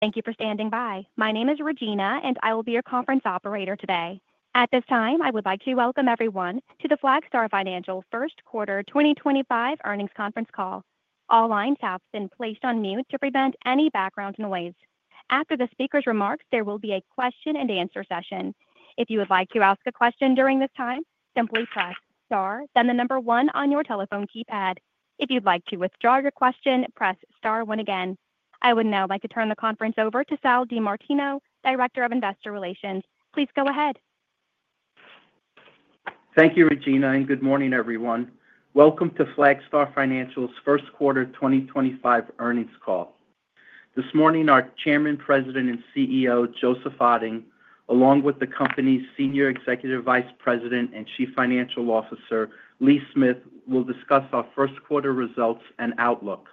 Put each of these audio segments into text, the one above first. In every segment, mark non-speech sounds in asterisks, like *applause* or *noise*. Thank you for standing by. My name is Regina, and I will be your conference operator today. At this time, I would like to welcome everyone to the Flagstar Financial First Quarter 2025 earnings conference call. All lines have been placed on mute to prevent any background noise. After the speaker's remarks, there will be a question-and-answer session. If you would like to ask a question during this time, simply press star, then the number one on your telephone keypad. If you'd like to withdraw your question, press star one again. I would now like to turn the conference over to Sal DiMartino, Director of Investor Relations. Please go ahead. Thank you, Regina, and good morning, everyone. Welcome to Flagstar Financial's First Quarter 2025 earnings call. This morning, our Chairman, President, and CEO, Joseph Otting, along with the company's Senior Executive Vice President and Chief Financial Officer, Lee Smith, will discuss our first quarter results and outlook.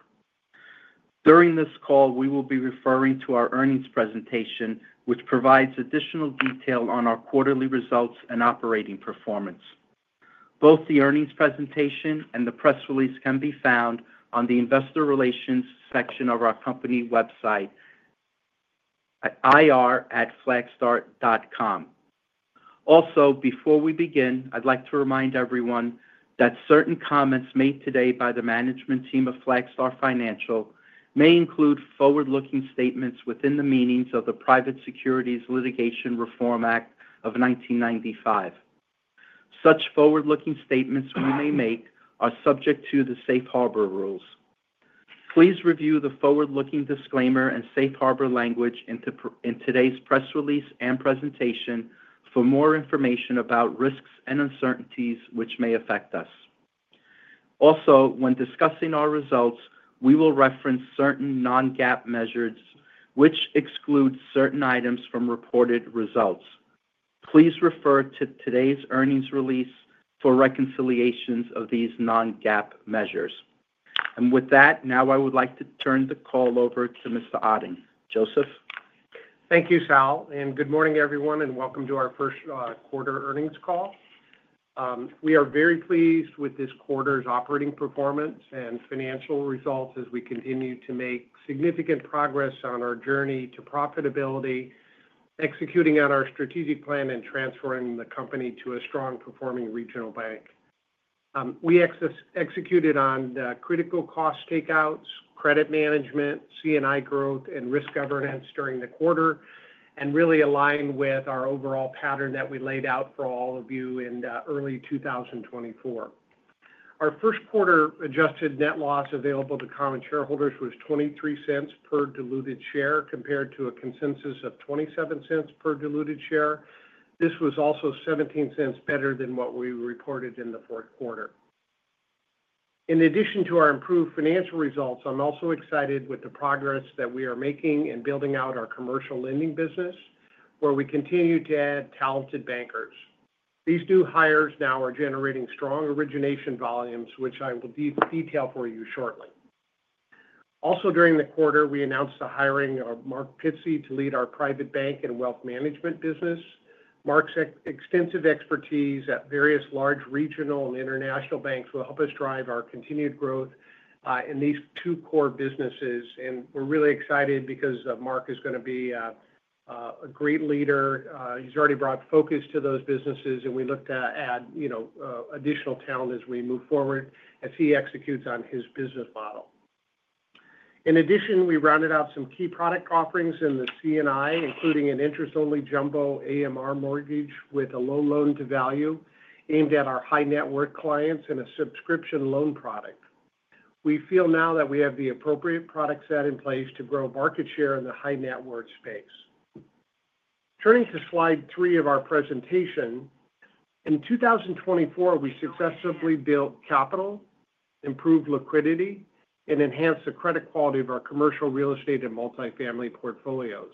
During this call, we will be referring to our earnings presentation, which provides additional detail on our quarterly results and operating performance. Both the earnings presentation and the press release can be found on the investor relations section of our company website at ir.flagstar.com. Also, before we begin, I'd like to remind everyone that certain comments made today by the management team of Flagstar Financial may include forward-looking statements within the meanings of the Private Securities Litigation Reform Act of 1995. Such forward-looking statements we may make are subject to the safe harbor rules. Please review the forward-looking disclaimer and safe harbor language in today's press release and presentation for more information about risks and uncertainties which may affect us. Also, when discussing our results, we will reference certain non-GAAP measures, which exclude certain items from reported results. Please refer to today's earnings release for reconciliations of these non-GAAP measures. With that, now I would like to turn the call over to Mr. Otting. Joseph? Thank you, Sal, and good morning, everyone, and welcome to our first quarter earnings call. We are very pleased with this quarter's operating performance and financial results as we continue to make significant progress on our journey to profitability, executing on our strategic plan, and transferring the company to a strong-performing regional bank. We executed on critical cost takeouts, credit management, C&I growth, and risk governance during the quarter, and really aligned with our overall pattern that we laid out for all of you in early 2024. Our first quarter adjusted net loss available to common shareholders was $0.23 per diluted share compared to a consensus of $0.27 per diluted share. This was also $0.17 better than what we reported in the fourth quarter. In addition to our improved financial results, I'm also excited with the progress that we are making in building out our commercial lending business, where we continue to add talented bankers. These new hires now are generating strong origination volumes, which I will detail for you shortly. Also, during the quarter, we announced the hiring of Mark Pittsey to lead our Private Bank and Wealth Management business. Mark's extensive expertise at various large regional and international banks will help us drive our continued growth in these two core businesses. We are really excited because Mark is going to be a great leader. He's already brought focus to those businesses, and we look to add additional talent as we move forward as he executes on his business model. In addition, we rounded out some key product offerings in the C&I, including an interest-only jumbo [AMR] mortgage with a low loan-to-value aimed at our high-net-worth clients and a subscription loan product. We feel now that we have the appropriate product set in place to grow market share in the high-net-worth space. Turning to slide three of our presentation, in 2024, we successfully built capital, improved liquidity, and enhanced the credit quality of our commercial real estate and multifamily portfolios.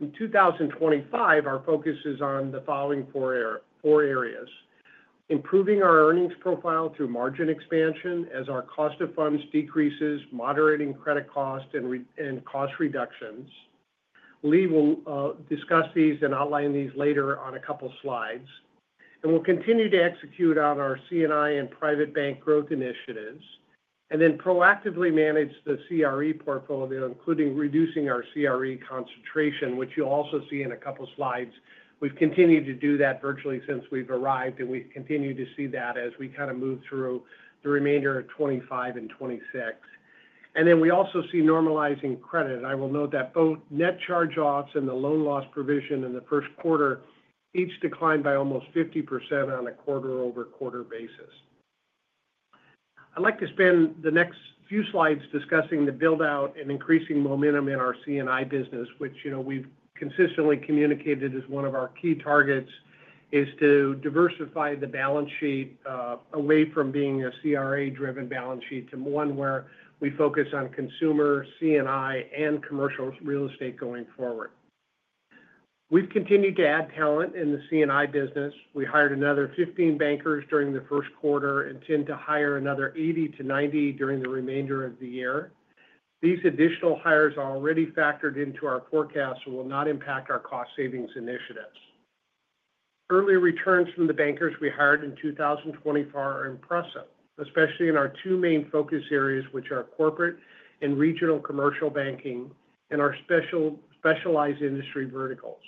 In 2025, our focus is on the following four areas: improving our earnings profile through margin expansion as our cost of funds decreases, moderating credit cost, and cost reductions. Lee will discuss these and outline these later on a couple of slides. We will continue to execute on our C&I and private bank growth initiatives and then proactively manage the CRE portfolio, including reducing our CRE concentration, which you'll also see in a couple of slides. We have continued to do that virtually since we've arrived, and we continue to see that as we kind of move through the remainder of 2025 and 2026. We also see normalizing credit. I will note that both net charge-offs and the loan loss provision in the first quarter each declined by almost 50% on a quarter-over-quarter basis. I would like to spend the next few slides discussing the build-out and increasing momentum in our C&I business, which we have consistently communicated as one of our key targets, to diversify the balance sheet away from being a CRA-driven balance sheet to one where we focus on consumer, C&I, and commercial real estate going forward. We've continued to add talent in the C&I business. We hired another 15 bankers during the first quarter and intend to hire another 80-90 during the remainder of the year. These additional hires are already factored into our forecasts and will not impact our cost savings initiatives. Early returns from the bankers we hired in 2024 are impressive, especially in our two main focus areas, which are corporate and regional commercial banking and our specialized industry verticals.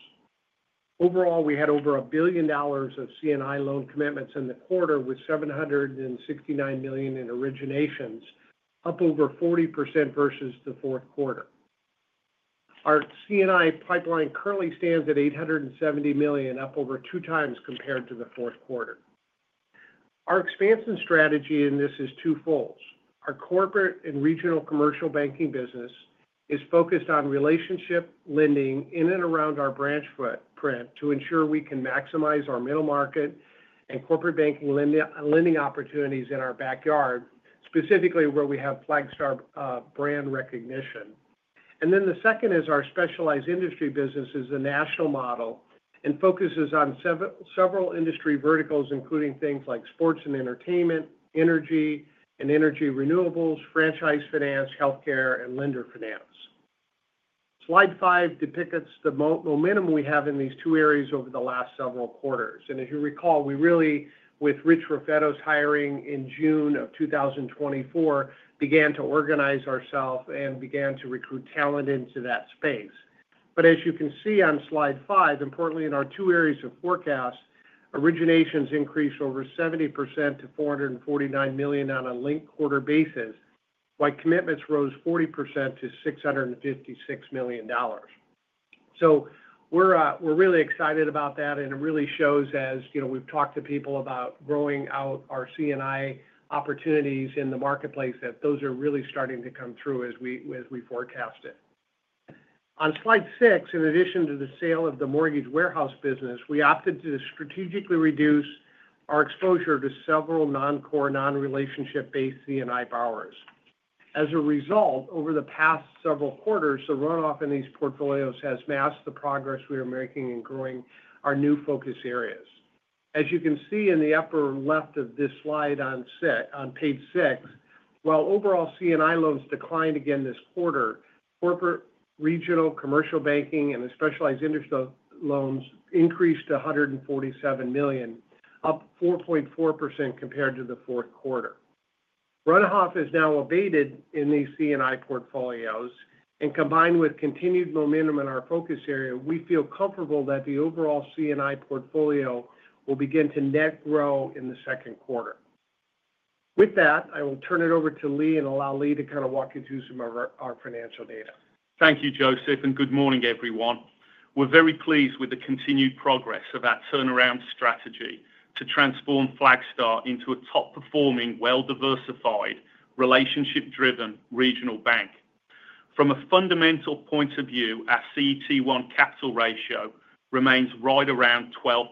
Overall, we had over $1 billion of C&I loan commitments in the quarter, with $769 million in originations, up over 40% versus the fourth quarter. Our C&I pipeline currently stands at $870 million, up over 2x compared to the fourth quarter. Our expansion strategy in this is twofold. Our corporate and regional commercial banking business is focused on relationship lending in and around our branch footprint to ensure we can maximize our middle market and corporate banking lending opportunities in our backyard, specifically where we have Flagstar brand recognition. The second is our specialized industry business, which is the national model and focuses on several industry verticals, including things like sports and entertainment, energy and energy renewables, franchise finance, healthcare, and lender finance. Slide five depicts the momentum we have in these two areas over the last several quarters. As you recall, we really, with Rich Raffetto's hiring in June of 2024, began to organize ourselves and began to recruit talent into that space. As you can see on slide five, importantly, in our two areas of forecast, originations increased over 70% to $449 million on a link quarter basis, while commitments rose 40% to $656 million. We are really excited about that, and it really shows as we have talked to people about growing out our C&I opportunities in the marketplace that those are really starting to come through as we forecast it. On slide six, in addition to the sale of the mortgage warehouse business, we opted to strategically reduce our exposure to several non-core, non-relationship-based C&I borrowers. As a result, over the past several quarters, the runoff in these portfolios has masked the progress we are making in growing our new focus areas. As you can see in the upper left of this slide on page six, while overall C&I loans declined again this quarter, corporate, regional, commercial banking, and the specialized industry loans increased to $147 million, up 4.4% compared to the fourth quarter. Runoff is now abated in these C&I portfolios, and combined with continued momentum in our focus area, we feel comfortable that the overall C&I portfolio will begin to net grow in the second quarter. With that, I will turn it over to Lee and allow Lee to kind of walk you through some of our financial data. Thank you, Joseph, and good morning, everyone. We're very pleased with the continued progress of our turnaround strategy to transform Flagstar into a top-performing, well-diversified, relationship-driven regional bank. From a fundamental point of view, our CET1 capital ratio remains right around 12%,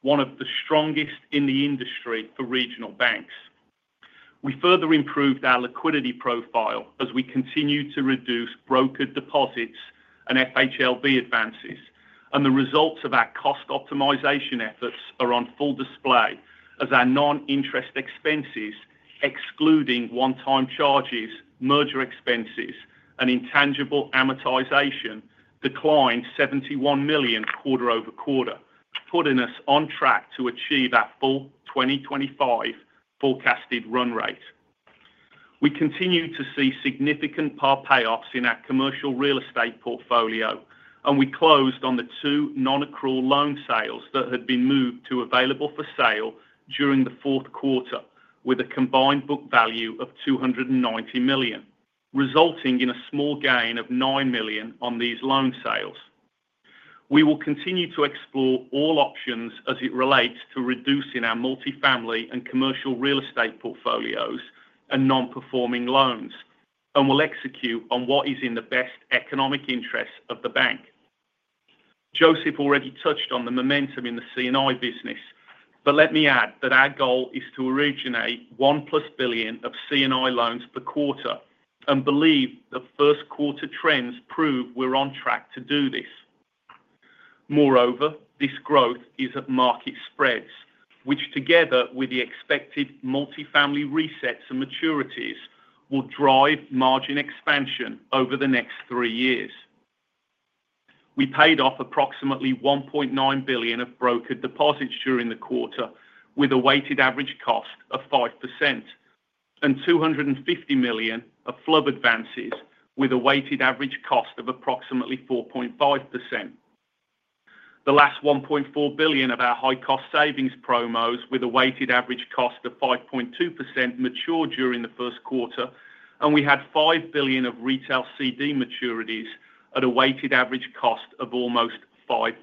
one of the strongest in the industry for regional banks. We further improved our liquidity profile as we continue to reduce brokered deposits and FHLB advances, and the results of our cost optimization efforts are on full display as our non-interest expenses, excluding one-time charges, merger expenses, and intangible amortization, declined $71 million quarter-over-quarter, putting us on track to achieve our full 2025 forecasted run rate. We continue to see significant par payoffs in our commercial real estate portfolio, and we closed on the two non-accrual loan sales that had been moved to available for sale during the fourth quarter with a combined book value of $290 million, resulting in a small gain of $9 million on these loan sales. We will continue to explore all options as it relates to reducing our multifamily and commercial real estate portfolios and non-performing loans, and we'll execute on what is in the best economic interests of the bank. Joseph already touched on the momentum in the C&I business, but let me add that our goal is to originate $1+ billion of C&I loans per quarter, and believe the first quarter trends prove we're on track to do this. Moreover, this growth is at market spreads, which together with the expected multifamily resets and maturities will drive margin expansion over the next three years. We paid off approximately $1.9 billion of brokered deposits during the quarter with a weighted average cost of 5%, and $250 million of [FHLB] advances with a weighted average cost of approximately 4.5%. The last $1.4 billion of our high-cost savings promos with a weighted average cost of 5.2% matured during the first quarter, and we had $5 billion of retail CD maturities at a weighted average cost of almost 5%.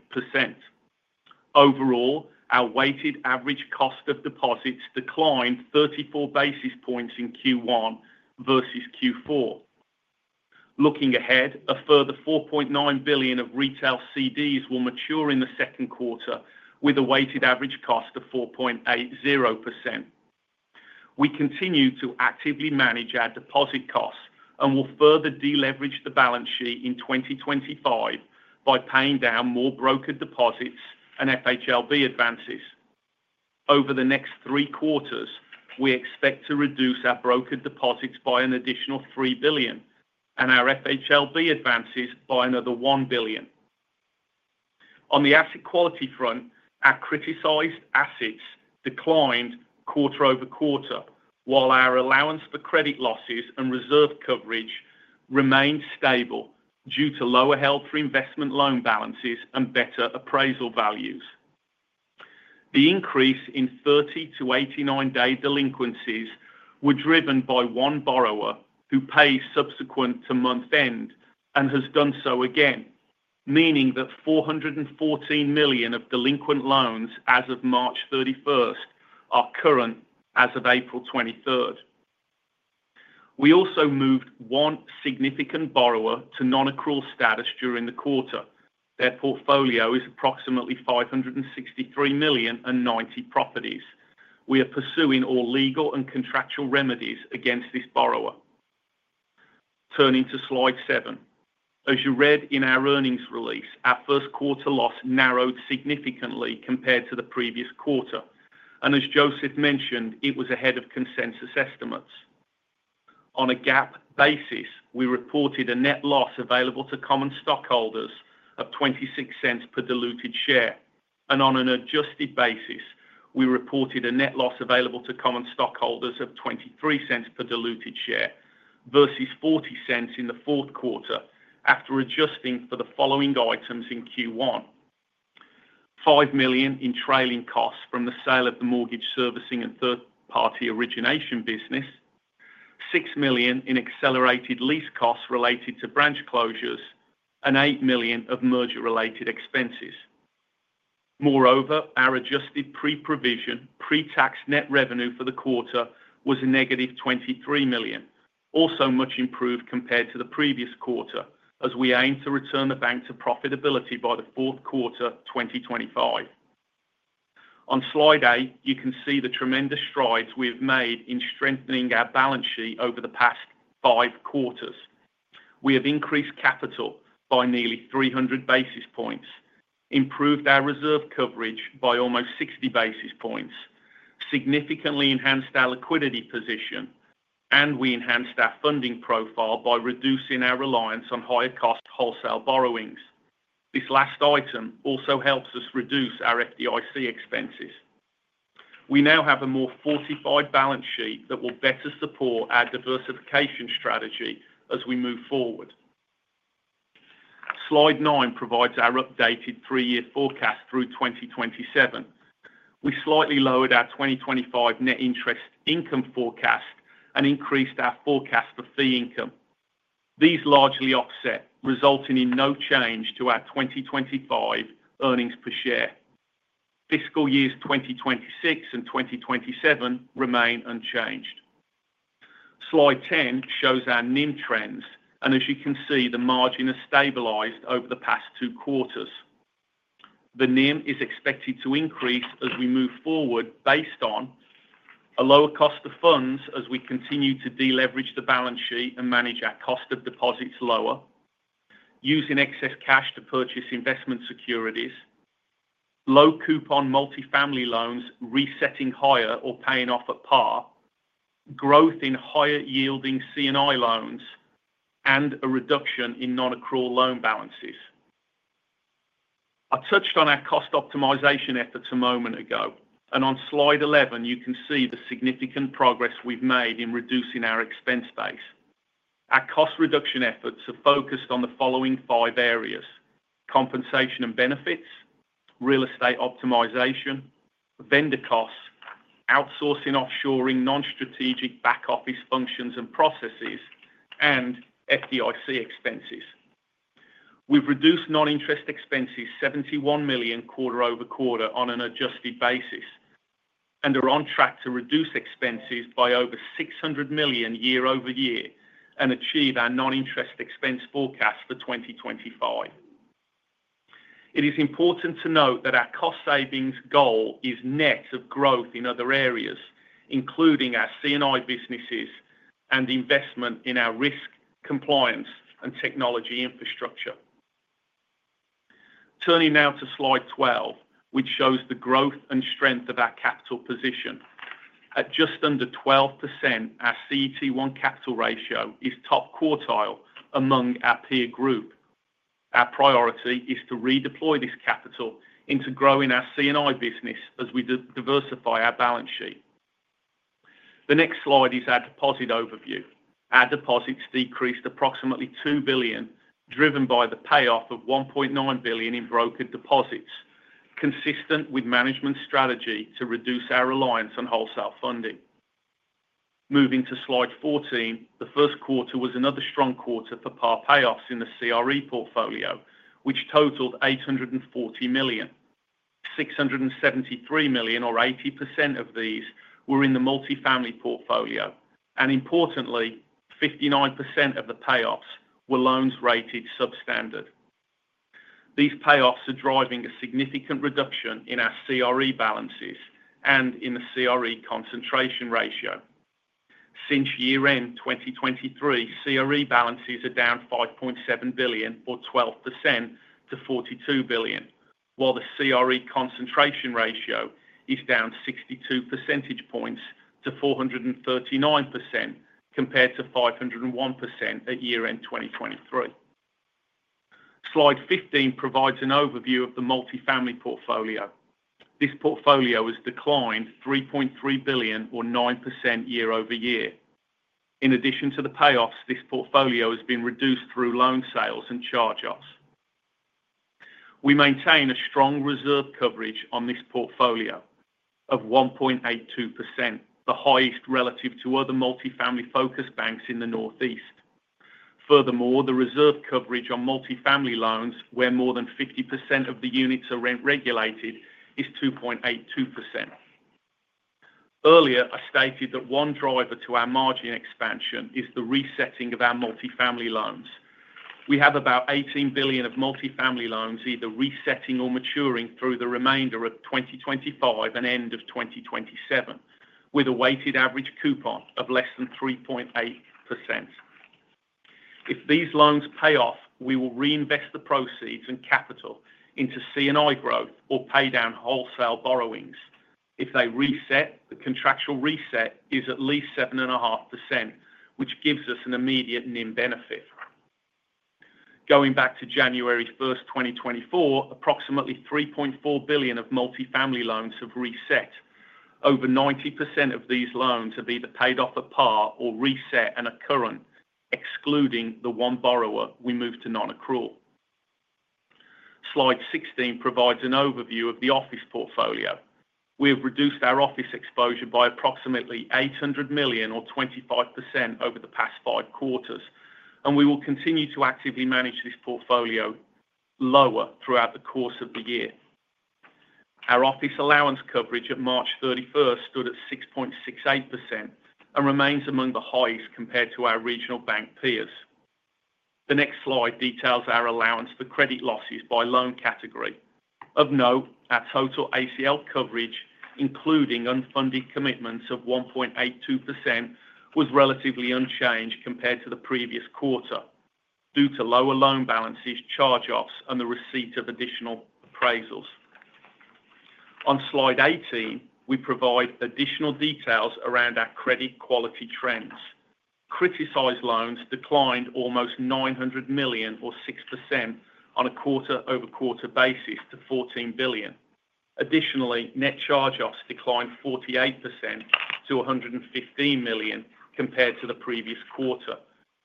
Overall, our weighted average cost of deposits declined 34 basis points in Q1 versus Q4. Looking ahead, a further $4.9 billion of retail CDs will mature in the second quarter with a weighted average cost of 4.80%. We continue to actively manage our deposit costs and will further deleverage the balance sheet in 2025 by paying down more brokered deposits and FHLB advances. Over the next three quarters, we expect to reduce our brokered deposits by an additional $3 billion and our FHLB advances by another $1 billion. On the asset quality front, our criticized assets declined quarter-over-quarter, while our allowance for credit losses and reserve coverage remained stable due to lower health reinvestment loan balances and better appraisal values. The increase in 30-89 day delinquencies was driven by one borrower who paid subsequent to month-end and has done so again, meaning that $414 million of delinquent loans as of March 31st are current as of April 23rd. We also moved one significant borrower to non-accrual status during the quarter. Their portfolio is approximately $563 million and 90 properties. We are pursuing all legal and contractual remedies against this borrower. Turning to slide seven, as you read in our earnings release, our first quarter loss narrowed significantly compared to the previous quarter, and as Joseph mentioned, it was ahead of consensus estimates. On a GAAP basis, we reported a net loss available to common stockholders of $0.26 per diluted share, and on an adjusted basis, we reported a net loss available to common stockholders of $0.23 per diluted share versus $0.40 in the fourth quarter after adjusting for the following items in Q1: $5 million in trailing costs from the sale of the mortgage servicing and third-party origination business, $6 million in accelerated lease costs related to branch closures, and $8 million of merger-related expenses. Moreover, our adjusted pre-provision pre-tax net revenue for the quarter was a -$23 million, also much improved compared to the previous quarter, as we aim to return the bank to profitability by the fourth quarter 2025. On slide eight, you can see the tremendous strides we have made in strengthening our balance sheet over the past five quarters. We have increased capital by nearly 300 basis points, improved our reserve coverage by almost 60 basis points, significantly enhanced our liquidity position, and we enhanced our funding profile by reducing our reliance on higher-cost wholesale borrowings. This last item also helps us reduce our FDIC expenses. We now have a more fortified balance sheet that will better support our diversification strategy as we move forward. Slide nine provides our updated three-year forecast through 2027. We slightly lowered our 2025 net interest income forecast and increased our forecast for fee income. These largely offset, resulting in no change to our 2025 earnings per share. Fiscal years 2026 and 2027 remain unchanged. Slide 10 shows our NIM trends, and as you can see, the margin has stabilized over the past two quarters. The NIM is expected to increase as we move forward based on a lower cost of funds as we continue to deleverage the balance sheet and manage our cost of deposits lower, using excess cash to purchase investment securities, low-coupon multifamily loans resetting higher or paying off at par, growth in higher-yielding C&I loans, and a reduction in non-accrual loan balances. I touched on our cost optimization efforts a moment ago, and on slide 11, you can see the significant progress we've made in reducing our expense base. Our cost reduction efforts are focused on the following five areas: compensation and benefits, real estate optimization, vendor costs, outsourcing offshoring non-strategic back-office functions and processes, and FDIC expenses. We've reduced non-interest expenses $71 million quarter-over-quarter on an adjusted basis and are on track to reduce expenses by over $600 million year-over-year and achieve our non-interest expense forecast for 2025. It is important to note that our cost savings goal is net of growth in other areas, including our C&I businesses and investment in our risk compliance and technology infrastructure. Turning now to slide 12, which shows the growth and strength of our capital position. At just under 12%, our CET1 capital ratio is top quartile among our peer group. Our priority is to redeploy this capital into growing our C&I business as we diversify our balance sheet. The next slide is our deposit overview. Our deposits decreased approximately $2 billion, driven by the payoff of $1.9 billion in brokered deposits, consistent with management strategy to reduce our reliance on wholesale funding. Moving to slide 14, the first quarter was another strong quarter for par payoffs in the CRE portfolio, which totaled $840 million. $673 million, or 80% of these, were in the multifamily portfolio, and importantly, 59% of the payoffs were loans rated substandard. These payoffs are driving a significant reduction in our CRE balances and in the CRE concentration ratio. Since year-end 2023, CRE balances are down $5.7 billion or 12% to $42 billion, while the CRE concentration ratio is down 62 percentage points to 439% compared to 501% at year-end 2023. Slide 15 provides an overview of the multifamily portfolio. This portfolio has declined $3.3 billion, or 9% year-over-year. In addition to the payoffs, this portfolio has been reduced through loan sales and charge-offs. We maintain a strong reserve coverage on this portfolio of 1.82%, the highest relative to other multifamily-focused banks in the Northeast. Furthermore, the reserve coverage on multifamily loans, where more than 50% of the units are rent-regulated, is 2.82%. Earlier, I stated that one driver to our margin expansion is the resetting of our multifamily loans. We have about $18 billion of multifamily loans either resetting or maturing through the remainder of 2025 and end of 2027, with a weighted average coupon of less than 3.8%. If these loans pay off, we will reinvest the proceeds and capital into C&I growth or pay down wholesale borrowings. If they reset, the contractual reset is at least 7.5%, which gives us an immediate NIM benefit. Going back to January 1st 2024, approximately $3.4 billion of multifamily loans have reset. Over 90% of these loans have either paid off at par or reset and are current, excluding the one borrower we moved to non-accrual. Slide 16 provides an overview of the office portfolio. We have reduced our office exposure by approximately $800 million, or 25%, over the past five quarters, and we will continue to actively manage this portfolio lower throughout the course of the year. Our office allowance coverage at March 31st stood at 6.68% and remains among the highest compared to our regional bank peers. The next slide details our allowance for credit losses by loan category. Of note, our total ACL coverage, including unfunded commitments of 1.82%, was relatively unchanged compared to the previous quarter due to lower loan balances, charge-offs, and the receipt of additional appraisals. On slide 18, we provide additional details around our credit quality trends. Criticized loans declined almost $900 million, or 6%, on a quarter-over-quarter basis to $14 billion. Additionally, net charge-offs declined 48% to $115 million compared to the previous quarter,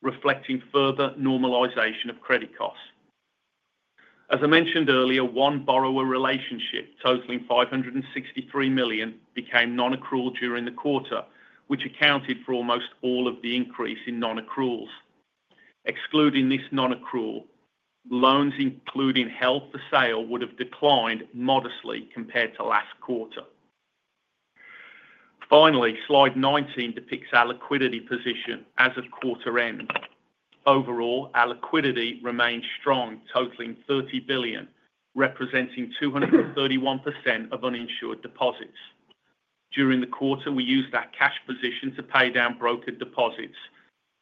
reflecting further normalization of credit costs. As I mentioned earlier, one borrower relationship totaling $563 million became non-accrual during the quarter, which accounted for almost all of the increase in non-accruals. Excluding this non-accrual, loans including held for sale would have declined modestly compared to last quarter. Finally, slide 19 depicts our liquidity position as of quarter-end. Overall, our liquidity remained strong, totaling $30 billion, representing 231% of uninsured deposits. During the quarter, we used our cash position to pay down brokered deposits,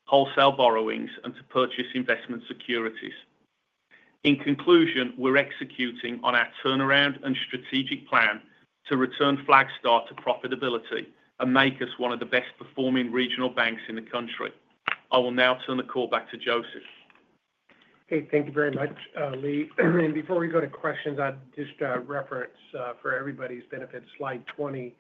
wholesale borrowings, and to purchase investment securities. In conclusion, we're executing on our turnaround and strategic plan to return Flagstar to profitability and make us one of the best-performing regional banks in the country. I will now turn the call back to Joseph. Thank you very much, Lee. Before we go to questions, I'd just reference for everybody's benefit, slide 20.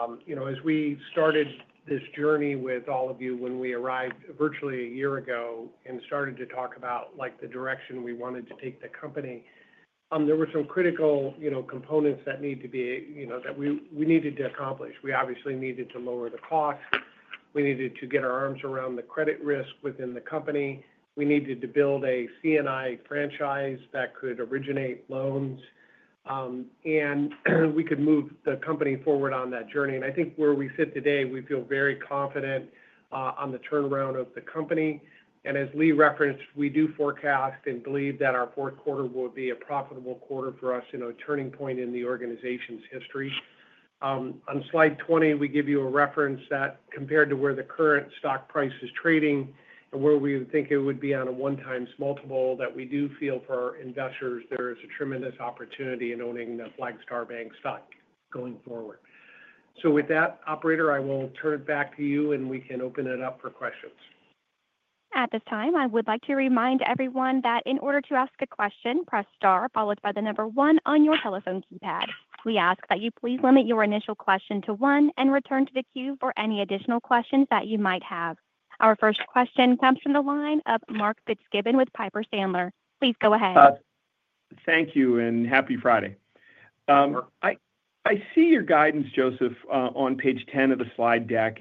As we started this journey with all of you when we arrived virtually a year ago and started to talk about the direction we wanted to take the company, there were some critical components that we needed to accomplish. We obviously needed to lower the cost. We needed to get our arms around the credit risk within the company. We needed to build a C&I franchise that could originate loans, and we could move the company forward on that journey. I think where we sit today, we feel very confident on the turnaround of the company. As Lee referenced, we do forecast and believe that our fourth quarter will be a profitable quarter for us, a turning point in the organization's history. On slide 20, we give you a reference that compared to where the current stock price is trading and where we think it would be on a one-time multiple that we do feel for our investors, there is a tremendous opportunity in owning the Flagstar Bank stock going forward. With that, operator, I will turn it back to you, and we can open it up for questions. At this time, I would like to remind everyone that in order to ask a question, press star, followed by the number one on your telephone keypad. We ask that you please limit your initial question to one and return to the queue for any additional questions that you might have. Our first question comes from the line of Mark Fitzgibbon with Piper Sandler. Please go ahead. Thank you and happy Friday. I see your guidance, Joseph, on page 10 of the slide deck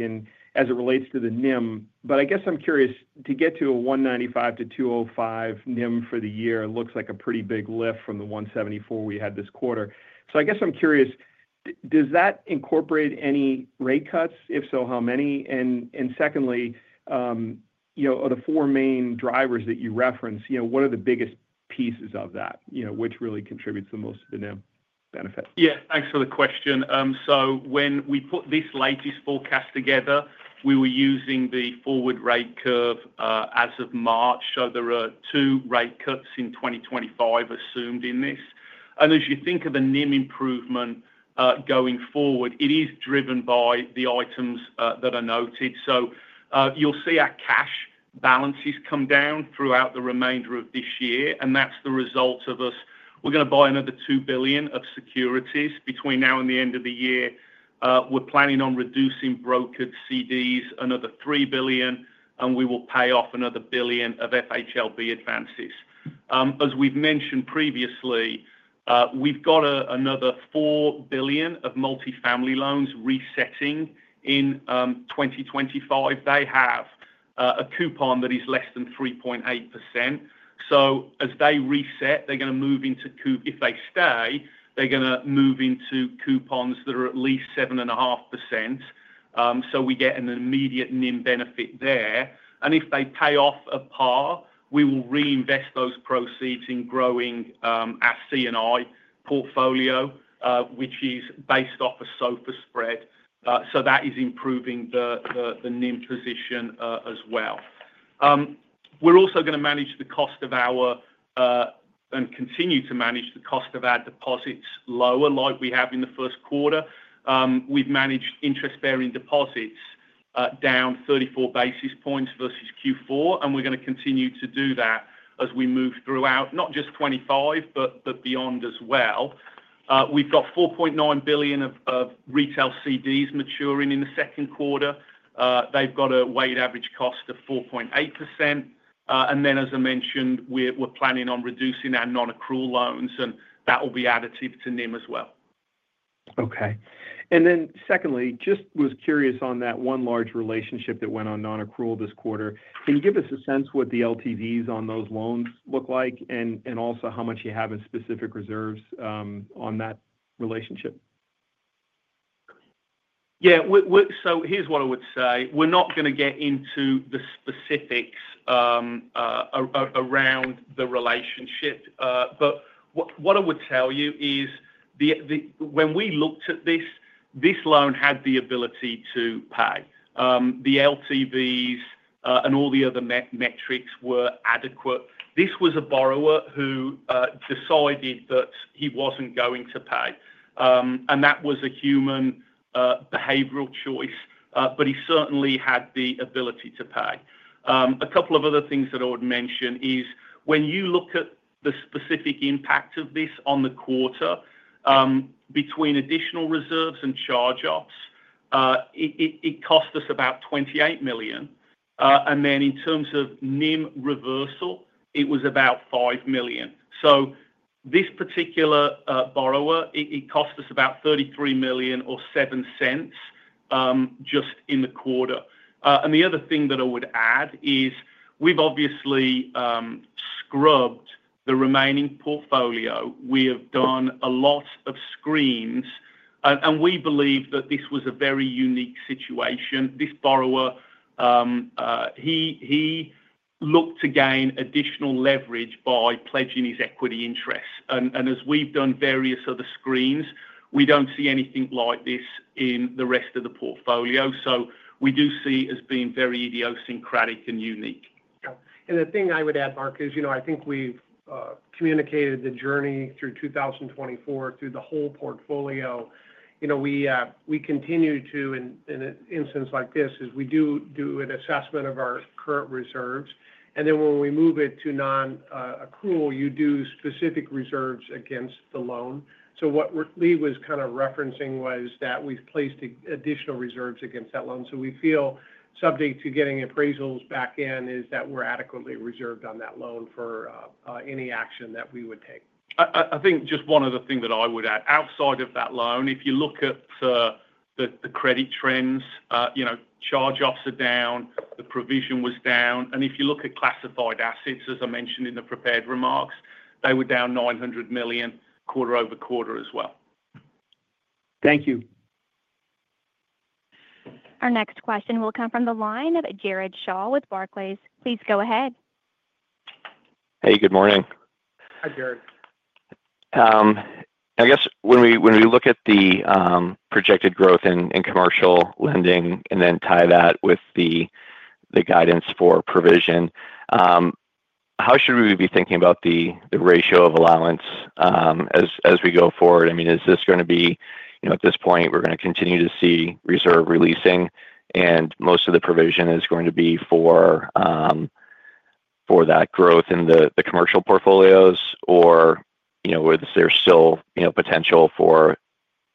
as it relates to the NIM, but I guess I'm curious to get to a 1.95-2.05 NIM for the year. It looks like a pretty big lift from the 1.74 we had this quarter. I guess I'm curious, does that incorporate any rate cuts? If so, how many? And secondly, are the four main drivers that you reference, what are the biggest pieces of that? Which really contributes the most to the NIM benefit? Yeah, thanks for the question. When we put this latest forecast together, we were using the forward rate curve as of March. There are two rate cuts in 2025 assumed in this. As you think of the NIM improvement going forward, it is driven by the items that are noted. You'll see our cash balances come down throughout the remainder of this year, and that's the result of us. We're going to buy another $2 billion of securities between now and the end of the year. We're planning on reducing brokered CDs another $3 billion, and we will pay off another $1 billion of FHLB advances. As we've mentioned previously, we've got another $4 billion of multifamily loans resetting in 2025. They have a coupon that is less than 3.8%. As they reset, they're going to move into, if they stay, they're going to move into coupons that are at least 7.5%. We get an immediate NIM benefit there. If they pay off at par, we will reinvest those proceeds in growing our C&I portfolio, which is based off a SOFR spread. That is improving the NIM position as well. We're also going to manage the cost of our deposits and continue to manage the cost of our deposits lower like we have in the first quarter. We've managed interest-bearing deposits down 34 basis points versus Q4, and we're going to continue to do that as we move throughout, not just 2025, but beyond as well. We've got $4.9 billion of retail CDs maturing in the second quarter. They've got a weighted average cost of 4.8%. As I mentioned, we're planning on reducing our non-accrual loans, and that will be additive to NIM as well. Okay. Secondly, just was curious on that one large relationship that went on non-accrual this quarter. Can you give us a sense of what the LTVs on those loans look like and also how much you have in specific reserves on that relationship? Yeah. Here's what I would say. We're not going to get into the specifics around the relationship, but what I would tell you is when we looked at this, this loan had the ability to pay. The LTVs and all the other metrics were adequate. This was a borrower who decided that he wasn't going to pay, and that was a human behavioral choice, but he certainly had the ability to pay. A couple of other things that I would mention is when you look at the specific impact of this on the quarter between additional reserves and charge-offs, it cost us about $28 million. In terms of NIM reversal, it was about $5 million. This particular borrower, it cost us about $33 million or $0.07 just in the quarter. The other thing that I would add is we've obviously scrubbed the remaining portfolio. We have done a lot of screens, and we believe that this was a very unique situation. This borrower, he looked to gain additional leverage by pledging his equity interests. As we've done various other screens, we do not see anything like this in the rest of the portfolio. We do see it as being very idiosyncratic and unique. The thing I would add, Mark, is I think we've communicated the journey through 2024 through the whole portfolio. We continue to, in an instance like this, do an assessment of our current reserves, and then when we move it to non-accrual, you do specific reserves against the loan. What Lee was kind of referencing was that we've placed additional reserves against that loan. We feel, subject to getting appraisals back in, that we're adequately reserved on that loan for any action that we would take. I think just one other thing that I would add outside of that loan, if you look at the credit trends, charge-offs are down, the provision was down. If you look at classified assets, as I mentioned in the prepared remarks, they were down $900 million quarter-over-quarter as well. Thank you. Our next question will come from the line of Jared Shaw with Barclays. Please go ahead. Hey, good morning. Hi, Jared. I guess when we look at the projected growth in commercial lending and then tie that with the guidance for provision, how should we be thinking about the ratio of allowance as we go forward? I mean, is this going to be at this point, we're going to continue to see reserve releasing, and most of the provision is going to be for that growth in the commercial portfolios, or is there still potential for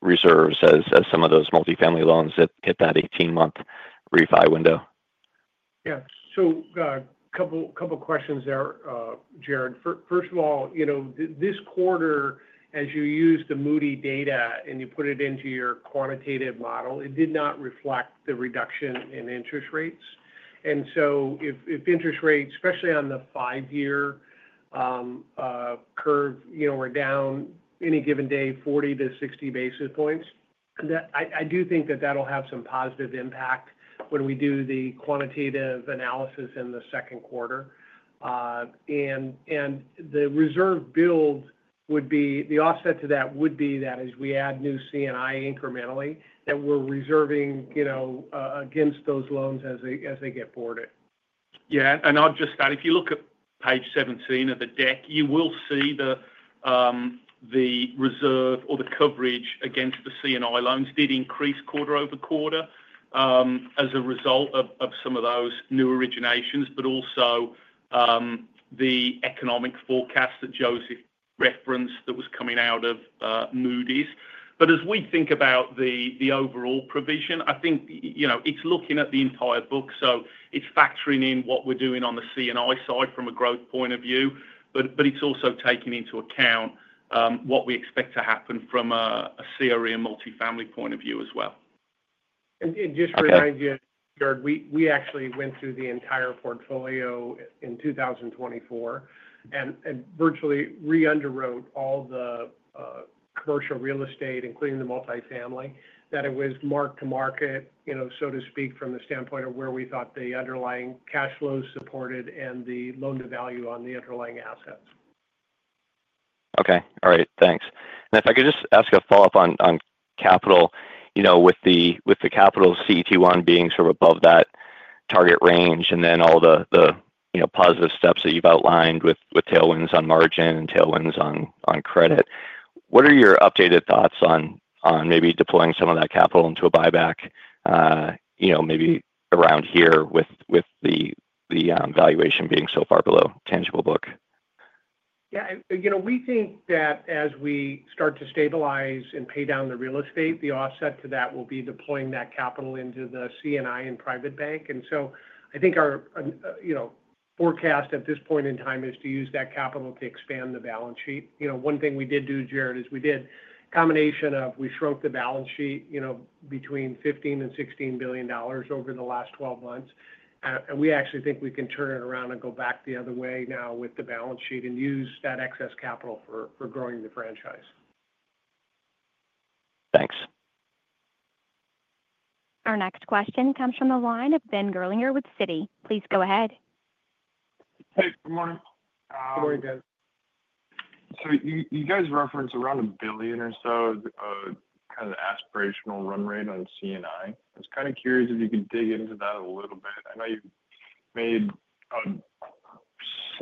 reserves as some of those multifamily loans hit that 18-month refund window? Yeah. A couple of questions there, Jared. First of all, this quarter, as you use the Moody data and you put it into your quantitative model, it did not reflect the reduction in interest rates. If interest rates, especially on the five-year curve, were down any given day 40-60 basis points, I do think that will have some positive impact when we do the quantitative analysis in the second quarter. The reserve build would be the offset to that, as we add new C&I incrementally, that we are reserving against those loans as they get boarded. Yeah. I'll just add, if you look at page 17 of the deck, you will see the reserve or the coverage against the C&I loans did increase quarter-over-quarter as a result of some of those new originations, but also the economic forecast that Joseph referenced that was coming out of Moody's. As we think about the overall provision, I think it's looking at the entire book. It is factoring in what we're doing on the C&I side from a growth point of view, but it's also taking into account what we expect to happen from a CRE multifamily point of view as well. Just to remind you, Jared, we actually went through the entire portfolio in 2024 and virtually re-underwrote all the commercial real estate, including the multifamily, that it was marked to market, so to speak, from the standpoint of where we thought the underlying cash flows supported and the loan-to-value on the underlying assets. Okay. All right. Thanks. If I could just ask a follow-up on capital, with the capital CET1 being sort of above that target range and then all the positive steps that you've outlined with tailwinds on margin and tailwinds on credit, what are your updated thoughts on maybe deploying some of that capital into a buyback maybe around here with the valuation being so far below tangible book? Yeah. We think that as we start to stabilize and pay down the real estate, the offset to that will be deploying that capital into the C&I and private bank. I think our forecast at this point in time is to use that capital to expand the balance sheet. One thing we did do, Jared, is we did a combination of we shrunk the balance sheet between $15 billion and $16 billion over the last 12 months. We actually think we can turn it around and go back the other way now with the balance sheet and use that excess capital for growing the franchise. Thanks. Our next question comes from the line of Ben Gerlinger with Citi. Please go ahead. Hey. Good morning. Good morning, Ben. You guys referenced around $1 billion or so kind of aspirational run rate on C&I. I was kind of curious if you could dig into that a little bit. I know you made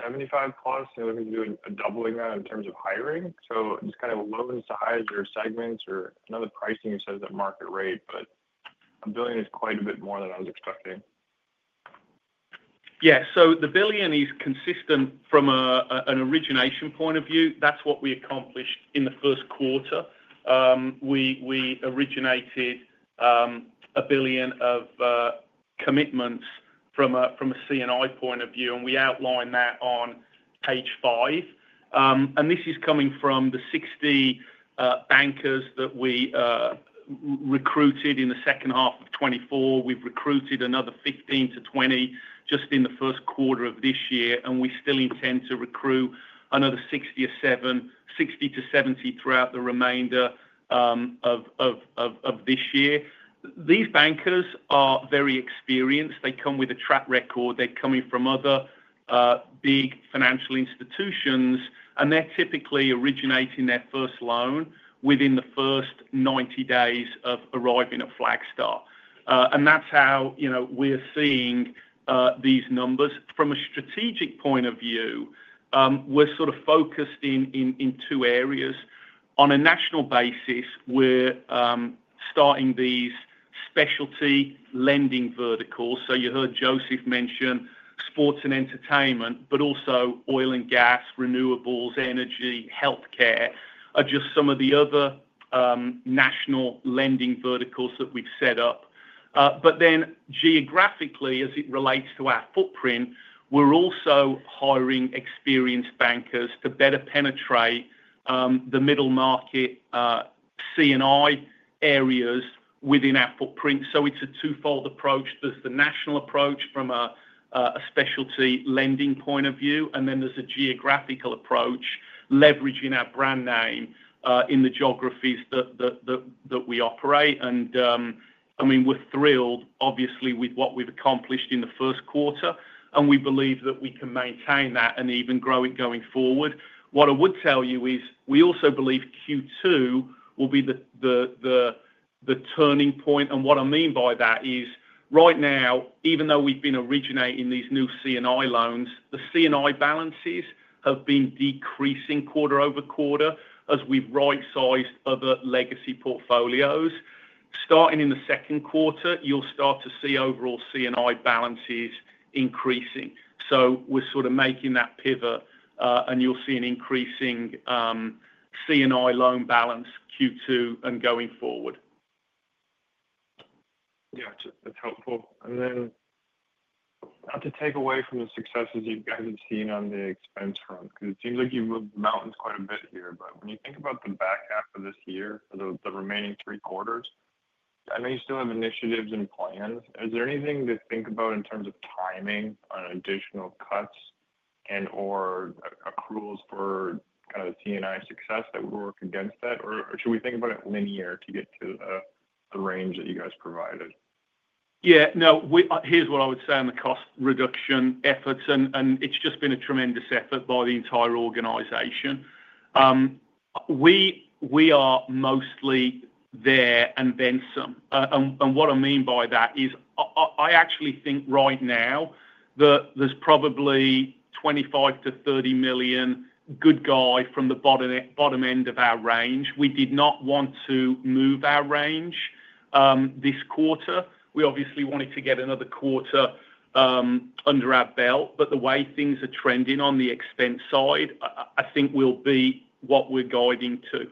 75+. You're looking to do a doubling that in terms of hiring. Just kind of loans to hires or segments or another pricing you said is at market rate, but a billion is quite a bit more than I was expecting. Yeah. The billion is consistent from an origination point of view. That's what we accomplished in the first quarter. We originated $1 billion of commitments from a C&I point of view, and we outlined that on page five. This is coming from the 60 bankers that we recruited in the second half of 2024. We have recruited another 15-20 just in the first quarter of this year, and we still intend to recruit another 60-70 throughout the remainder of this year. These bankers are very experienced. They come with a track record. They are coming from other big financial institutions, and they are typically originating their first loan within the first 90 days of arriving at Flagstar. That is how we are seeing these numbers. From a strategic point of view, we are sort of focused in two areas. On a national basis, we are starting these specialty lending verticals. You heard Joseph mention sports and entertainment, but also oil and gas, renewables, energy, healthcare are just some of the other national lending verticals that we've set up. Geographically, as it relates to our footprint, we're also hiring experienced bankers to better penetrate the middle market C&I areas within our footprint. It's a twofold approach. There's the national approach from a specialty lending point of view, and then there's a geographical approach leveraging our brand name in the geographies that we operate. I mean, we're thrilled, obviously, with what we've accomplished in the first quarter, and we believe that we can maintain that and even grow it going forward. What I would tell you is we also believe Q2 will be the turning point. What I mean by that is right now, even though we've been originating these new C&I loans, the C&I balances have been decreasing quarter-over-quarter as we've right-sized other legacy portfolios. Starting in the second quarter, you'll start to see overall C&I balances increasing. We're sort of making that pivot, and you'll see an increasing C&I loan balance Q2 and going forward. Yeah. That's helpful. To take away from the successes you guys have seen on the expense front, because it seems like you've moved the mountains quite a bit here, when you think about the back half of this year, the remaining three quarters, I know you still have initiatives and plans. Is there anything to think about in terms of timing on additional cuts and/or accruals for kind of C&I success that would work against that? Should we think about it linear to get to the range that you guys provided? Yeah. No, here's what I would say on the cost reduction efforts, and it's just been a tremendous effort by the entire organization. We are mostly there and then some. What I mean by that is I actually think right now that there's probably $25 million-$30 million good guy from the bottom end of our range. We did not want to move our range this quarter. We obviously wanted to get another quarter under our belt, but the way things are trending on the expense side, I think will be what we're guiding to.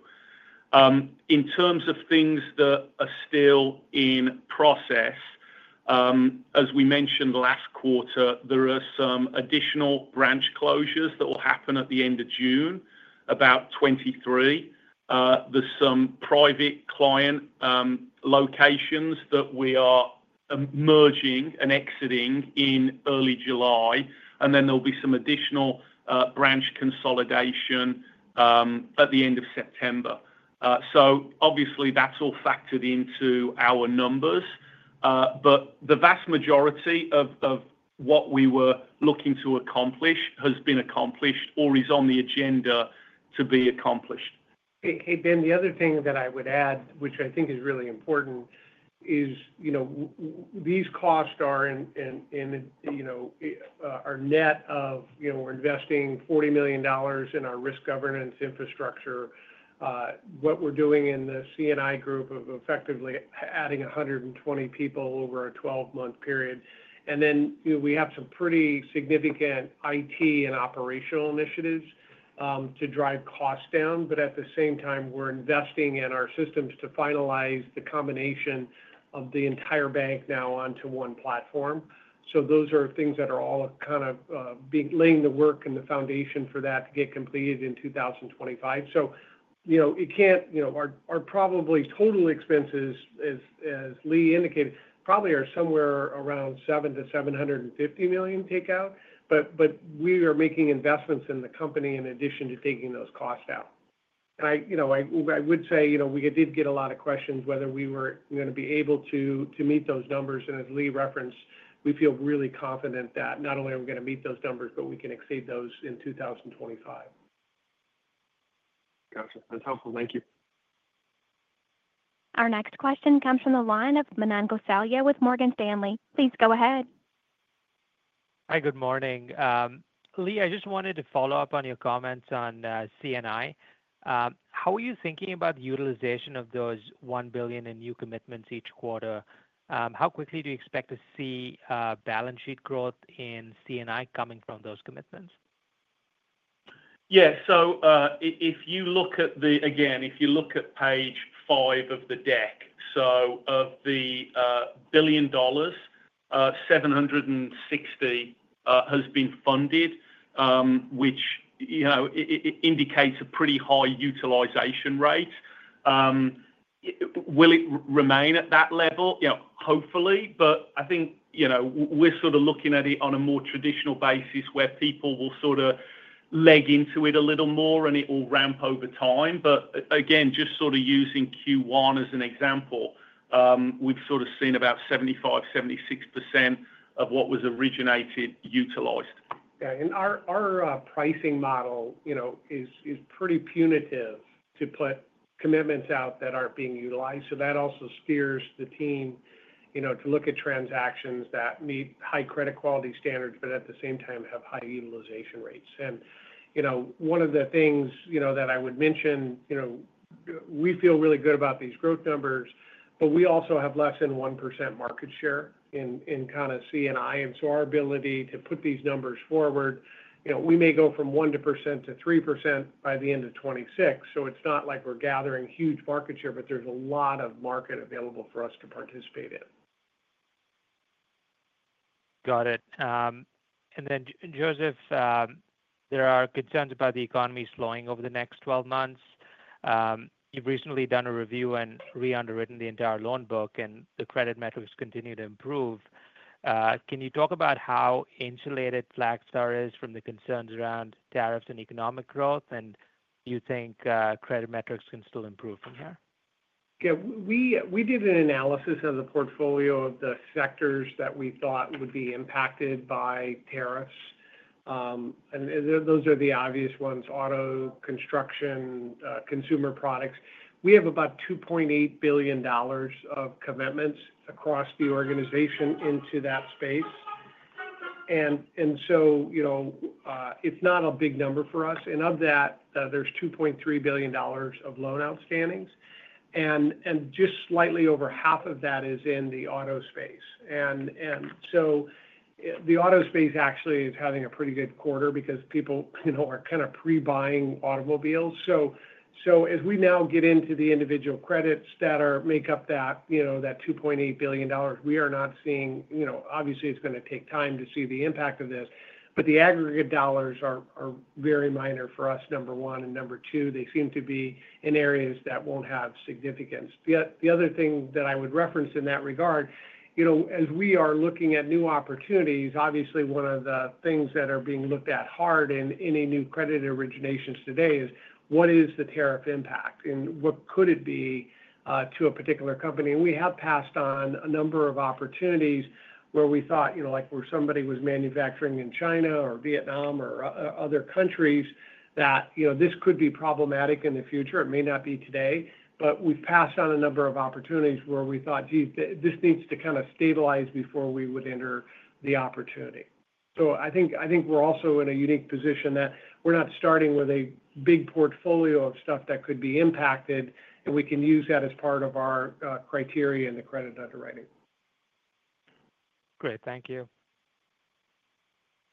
In terms of things that are still in process, as we mentioned last quarter, there are some additional branch closures that will happen at the end of June, about 23. are some private client locations that we are merging and exiting in early July, and then there will be some additional branch consolidation at the end of September. That is all factored into our numbers, but the vast majority of what we were looking to accomplish has been accomplished or is on the agenda to be accomplished. Hey, Ben, the other thing that I would add, which I think is really important, is these costs are net of our investing $40 million in our risk governance infrastructure. What we are doing in the C&I group is effectively adding 120 people over a 12-month period. We have some pretty significant IT and operational initiatives to drive costs down, but at the same time, we are investing in our systems to finalize the combination of the entire bank now onto one platform. Those are things that are all kind of laying the work and the foundation for that to get completed in 2025. You can’t, our probably total expenses, as Lee indicated, probably are somewhere around $700 million-$750 million takeout, but we are making investments in the company in addition to taking those costs out. I would say we did get a lot of questions whether we were going to be able to meet those numbers. As Lee referenced, we feel really confident that not only are we going to meet those numbers, but we can exceed those in 2025. Gotcha. That’s helpful. Thank you. Our next question comes from the line of Manan Gosalia with Morgan Stanley. Please go ahead. Hi, good morning. Lee, I just wanted to follow up on your comments on C&I. How are you thinking about the utilization of those $1 billion in new commitments each quarter? How quickly do you expect to see balance sheet growth in C&I coming from those commitments? Yeah. If you look at page five of the deck, of the $1 billion, $760 million has been funded, which indicates a pretty high utilization rate. Will it remain at that level? Hopefully, but I think we are sort of looking at it on a more traditional basis where people will sort of leg into it a little more and it will ramp over time. Again, just using Q1 as an example, we have seen about 75%-76% of what was originated utilized. Yeah. Our pricing model is pretty punitive to put commitments out that are not being utilized. That also steers the team to look at transactions that meet high credit quality standards, but at the same time have high utilization rates. One of the things that I would mention, we feel really good about these growth numbers, but we also have less than 1% market share in kind of C&I. Our ability to put these numbers forward, we may go from 1% to 3% by the end of 2026. It is not like we are gathering huge market share, but there is a lot of market available for us to participate in. Got it. Joseph, there are concerns about the economy slowing over the next 12 months. You have recently done a review and re-underwritten the entire loan book, and the credit metrics continue to improve. Can you talk about how insulated Flagstar is from the concerns around tariffs and economic growth, and do you think credit metrics can still improve from here? Yeah. We did an analysis of the portfolio of the sectors that we thought would be impacted by tariffs. Those are the obvious ones: auto, construction, consumer products. We have about $2.8 billion of commitments across the organization into that space. It is not a big number for us. Of that, there is $2.3 billion of loan outstandings, and just slightly over half of that is in the auto space. The auto space actually is having a pretty good quarter because people are kind of pre-buying automobiles. As we now get into the individual credits that make up that $2.8 billion, we are not seeing, obviously, it's going to take time to see the impact of this, but the aggregate dollars are very minor for us, number one. Number two, they seem to be in areas that will not have significance. The other thing that I would reference in that regard, as we are looking at new opportunities, obviously, one of the things that are being looked at hard in any new credit originations today is what is the tariff impact and what could it be to a particular company? We have passed on a number of opportunities where we thought, like where somebody was manufacturing in China or Vietnam or other countries, that this could be problematic in the future. It may not be today, but we've passed on a number of opportunities where we thought, "Gee, this needs to kind of stabilize before we would enter the opportunity." I think we're also in a unique position that we're not starting with a big portfolio of stuff that could be impacted, and we can use that as part of our criteria in the credit underwriting. Great. Thank you.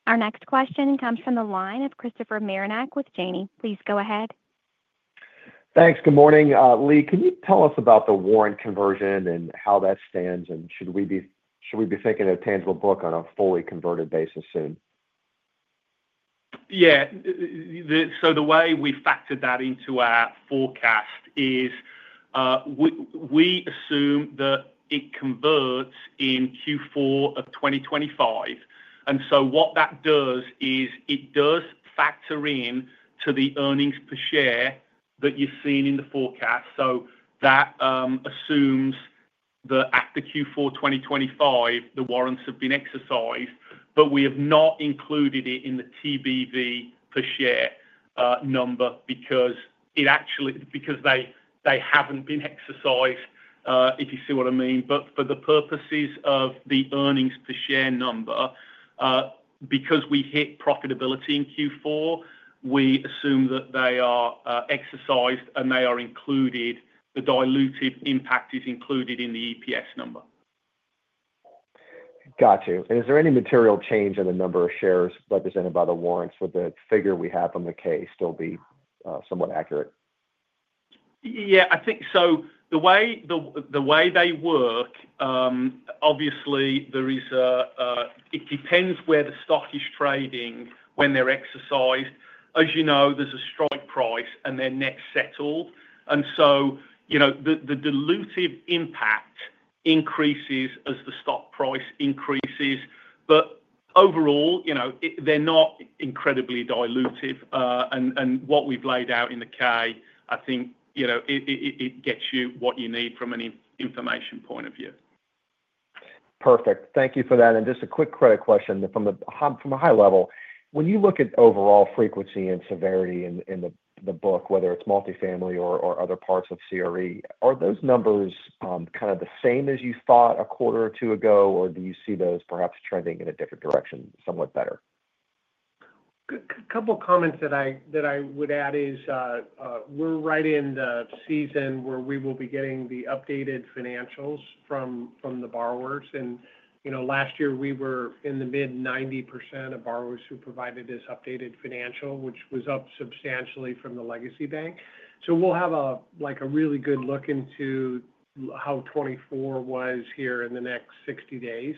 Our next question comes from the line of Christopher Marinac with Janney. Please go ahead. Thanks. Good morning. Lee, can you tell us about the warrant conversion and how that stands, and should we be thinking of tangible book on a fully converted basis soon? Yeah. The way we factored that into our forecast is we assume that it converts in Q4 of 2025. What that does is it does factor into the earnings per share that you've seen in the forecast. That assumes that after Q4 2025, the warrants have been exercised, but we have not included it in the TBV per share number because they haven't been exercised, if you see what I mean. For the purposes of the earnings per share number, because we hit profitability in Q4, we assume that they are exercised and they are included. The diluted impact is included in the EPS number. Gotcha. Is there any material change in the number of shares represented by the warrants, would the figure we have on the K still be somewhat accurate? Yeah. I think so. The way they work, obviously, it depends where the stock is trading when they're exercised. As you know, there's a strike price and they're net settled. The diluted impact increases as the stock price increases. Overall, they're not incredibly diluted. What we've laid out in the K, I think it gets you what you need from an information point of view. Perfect. Thank you for that. Just a quick credit question from a high level. When you look at overall frequency and severity in the book, whether it's multifamily or other parts of CRE, are those numbers kind of the same as you thought a quarter or two ago, or do you see those perhaps trending in a different direction, somewhat better? A couple of comments that I would add is we're right in the season where we will be getting the updated financials from the borrowers. Last year, we were in the mid-90% of borrowers who provided this updated financial, which was up substantially from the legacy bank. We will have a really good look into how 2024 was here in the next 60 days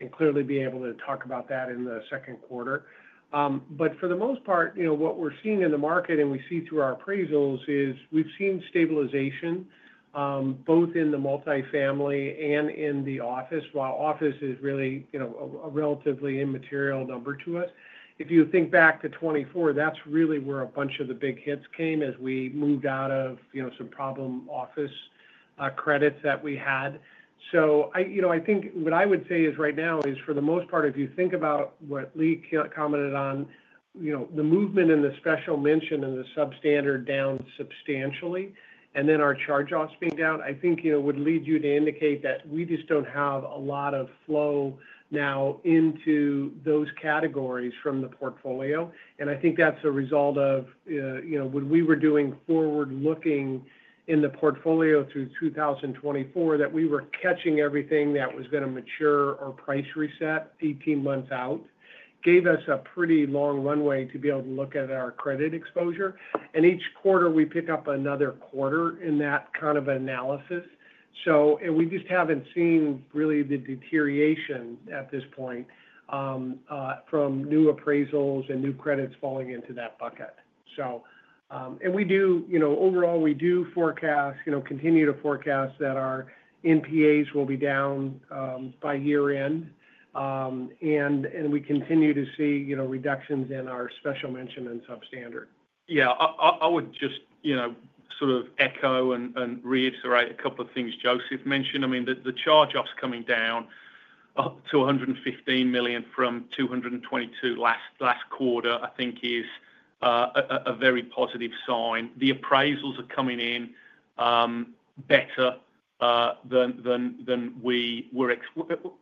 and clearly be able to talk about that in the second quarter. For the most part, what we are seeing in the market and we see through our appraisals is we have seen stabilization both in the multifamily and in the office, while office is really a relatively immaterial number to us. If you think back to 2024, that is really where a bunch of the big hits came as we moved out of some problem office credits that we had. I think what I would say is right now is, for the most part, if you think about what Lee commented on, the movement in the special mention and the substandard down substantially, and then our charge-offs being down, I think would lead you to indicate that we just do not have a lot of flow now into those categories from the portfolio. I think that is a result of when we were doing forward-looking in the portfolio through 2024, that we were catching everything that was going to mature or price reset 18 months out, gave us a pretty long runway to be able to look at our credit exposure. Each quarter, we pick up another quarter in that kind of analysis. We just have not seen really the deterioration at this point from new appraisals and new credits falling into that bucket. Overall, we do forecast, continue to forecast that our NPAs will be down by year-end, and we continue to see reductions in our special mention and substandard. Yeah. I would just sort of echo and reiterate a couple of things Joseph mentioned. I mean, the charge-offs coming down to $115 million from $222 million last quarter, I think, is a very positive sign. The appraisals are coming in better than we were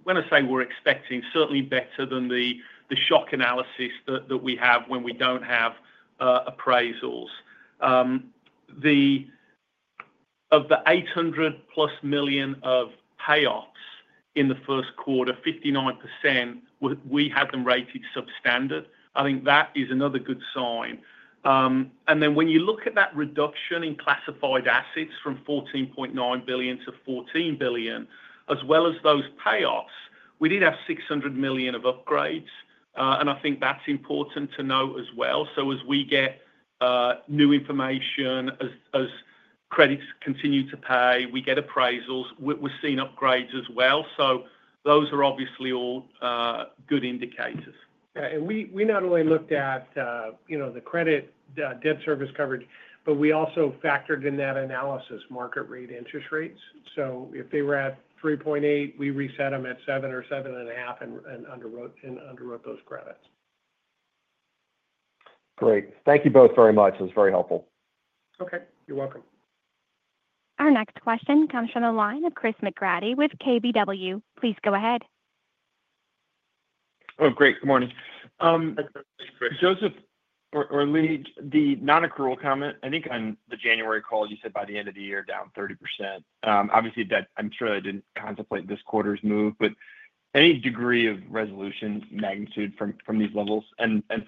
going to say we were expecting, certainly better than the shock analysis that we have when we do not have appraisals. Of the $800+ million of payoffs in the first quarter, 59%, we had them rated substandard. I think that is another good sign. When you look at that reduction in classified assets from $14.9 billion to $14 billion, as well as those payoffs, we did have $600 million of upgrades. I think that's important to note as well. As we get new information, as credits continue to pay, we get appraisals. We're seeing upgrades as well. Those are obviously all good indicators. Yeah. We not only looked at the credit debt service coverage, but we also factored in that analysis, market rate interest rates. If they were at 3.8, we reset them at 7 or 7.5 and underwrote those credits. Great. Thank you both very much. It was very helpful. Okay. You're welcome. Our next question comes from the line of Chris McGratty with KBW. Please go ahead. Oh, great. Good morning. Joseph or Lee, the non-accrual comment, I think on the January call, you said by the end of the year, down 30%. Obviously, I'm sure they didn't contemplate this quarter's move, but any degree of resolution magnitude from these levels?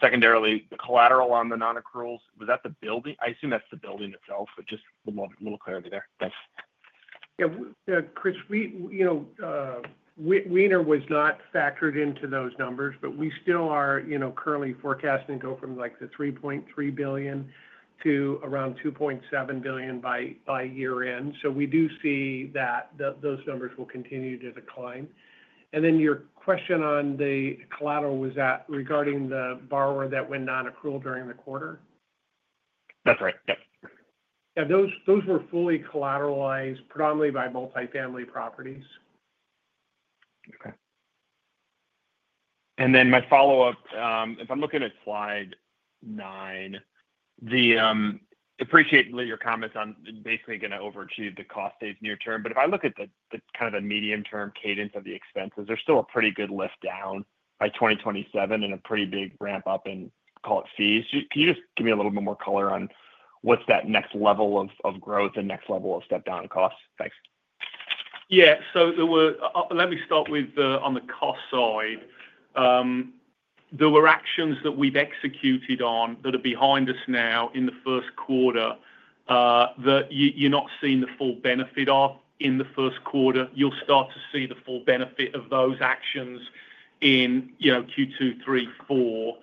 Secondarily, the collateral on the non-accruals, was that the building? I assume that's the building itself, but just a little clarity there. Yeah. Chris, we know it was not factored into those numbers, but we still are currently forecasting to go from the $3.3 billion to around $2.7 billion by year-end. We do see that those numbers will continue to decline. Your question on the collateral was regarding the borrower that went non-accrual during the quarter? That's right. Yep. Those were fully collateralized, predominantly by multifamily properties. Okay. My follow-up, if I'm looking at slide nine, I appreciate your comments on basically going to overachieve the cost saved near term. If I look at the kind of medium-term cadence of the expenses, there's still a pretty good lift down by 2027 and a pretty big ramp up in, call it, fees. Can you just give me a little bit more color on what's that next level of growth and next level of step-down costs? Thanks. Yeah. Let me start with on the cost side. There were actions that we've executed on that are behind us now in the first quarter that you're not seeing the full benefit of in the first quarter. You'll start to see the full benefit of those actions in Q2, 3, 4.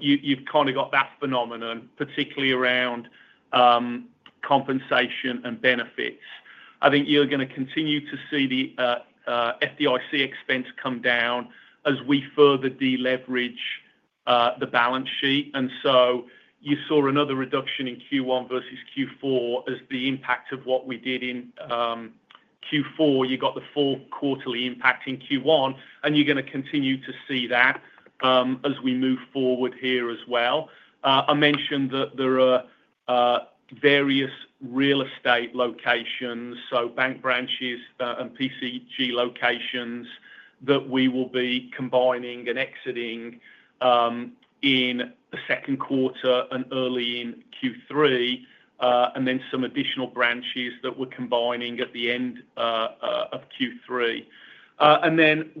You've kind of got that phenomenon, particularly around compensation and benefits. I think you're going to continue to see the FDIC expense come down as we further deleverage the balance sheet. You saw another reduction in Q1 versus Q4 as the impact of what we did in Q4. You got the full quarterly impact in Q1, and you're going to continue to see that as we move forward here as well. I mentioned that there are various real estate locations, so bank branches and PCG locations that we will be combining and exiting in the second quarter and early in Q3, and then some additional branches that we're combining at the end of Q3.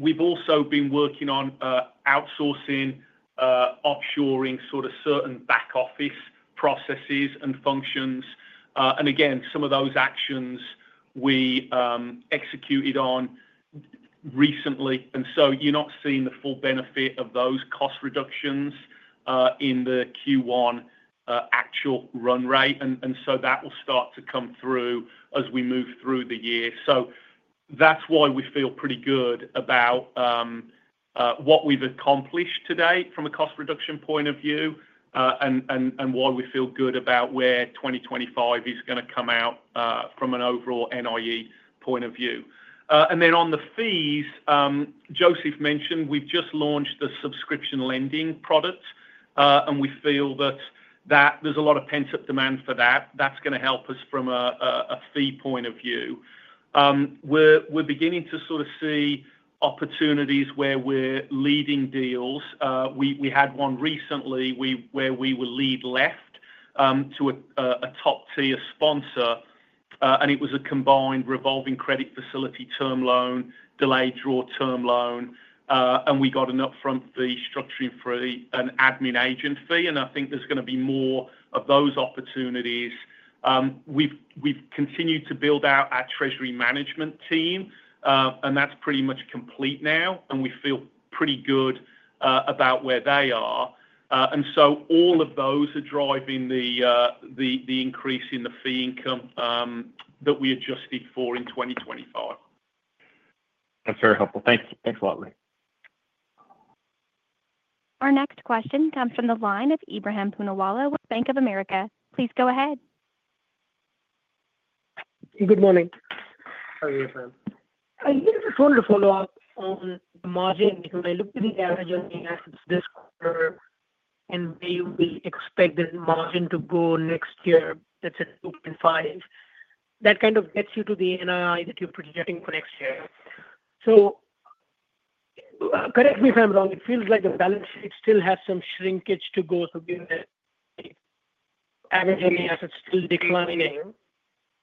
We have also been working on outsourcing, offshoring sort of certain back-office processes and functions. Again, some of those actions we executed on recently. You are not seeing the full benefit of those cost reductions in the Q1 actual run rate. That will start to come through as we move through the year. That is why we feel pretty good about what we have accomplished today from a cost reduction point of view and why we feel good about where 2025 is going to come out from an overall NIE point of view. On the fees, Joseph mentioned we have just launched the subscription lending product, and we feel that there is a lot of pent-up demand for that. That is going to help us from a fee point of view. We are beginning to sort of see opportunities where we are leading deals. We had one recently where we were lead left to a top-tier sponsor, and it was a combined revolving credit facility term loan, delayed draw term loan, and we got an upfront fee, structuring fee, and admin agent fee. I think there are going to be more of those opportunities. We have continued to build out our treasury management team, and that is pretty much complete now, and we feel pretty good about where they are. All of those are driving the increase in the fee income that we adjusted for in 2025. That is very helpful. Thanks. Thanks a lot, Lee. Our next question comes from the line of Ebrahim Poonawala with Bank of America. Please go ahead. Good morning. How are you, Ebrahim? I think I just wanted to follow up on the margin. When I looked at the average on the assets this quarter and where you will expect the margin to go next year, let's say 2.5, that kind of gets you to the NII that you're projecting for next year. Correct me if I'm wrong. It feels like the balance sheet still has some shrinkage to go *audio distortion* average NII is still declining.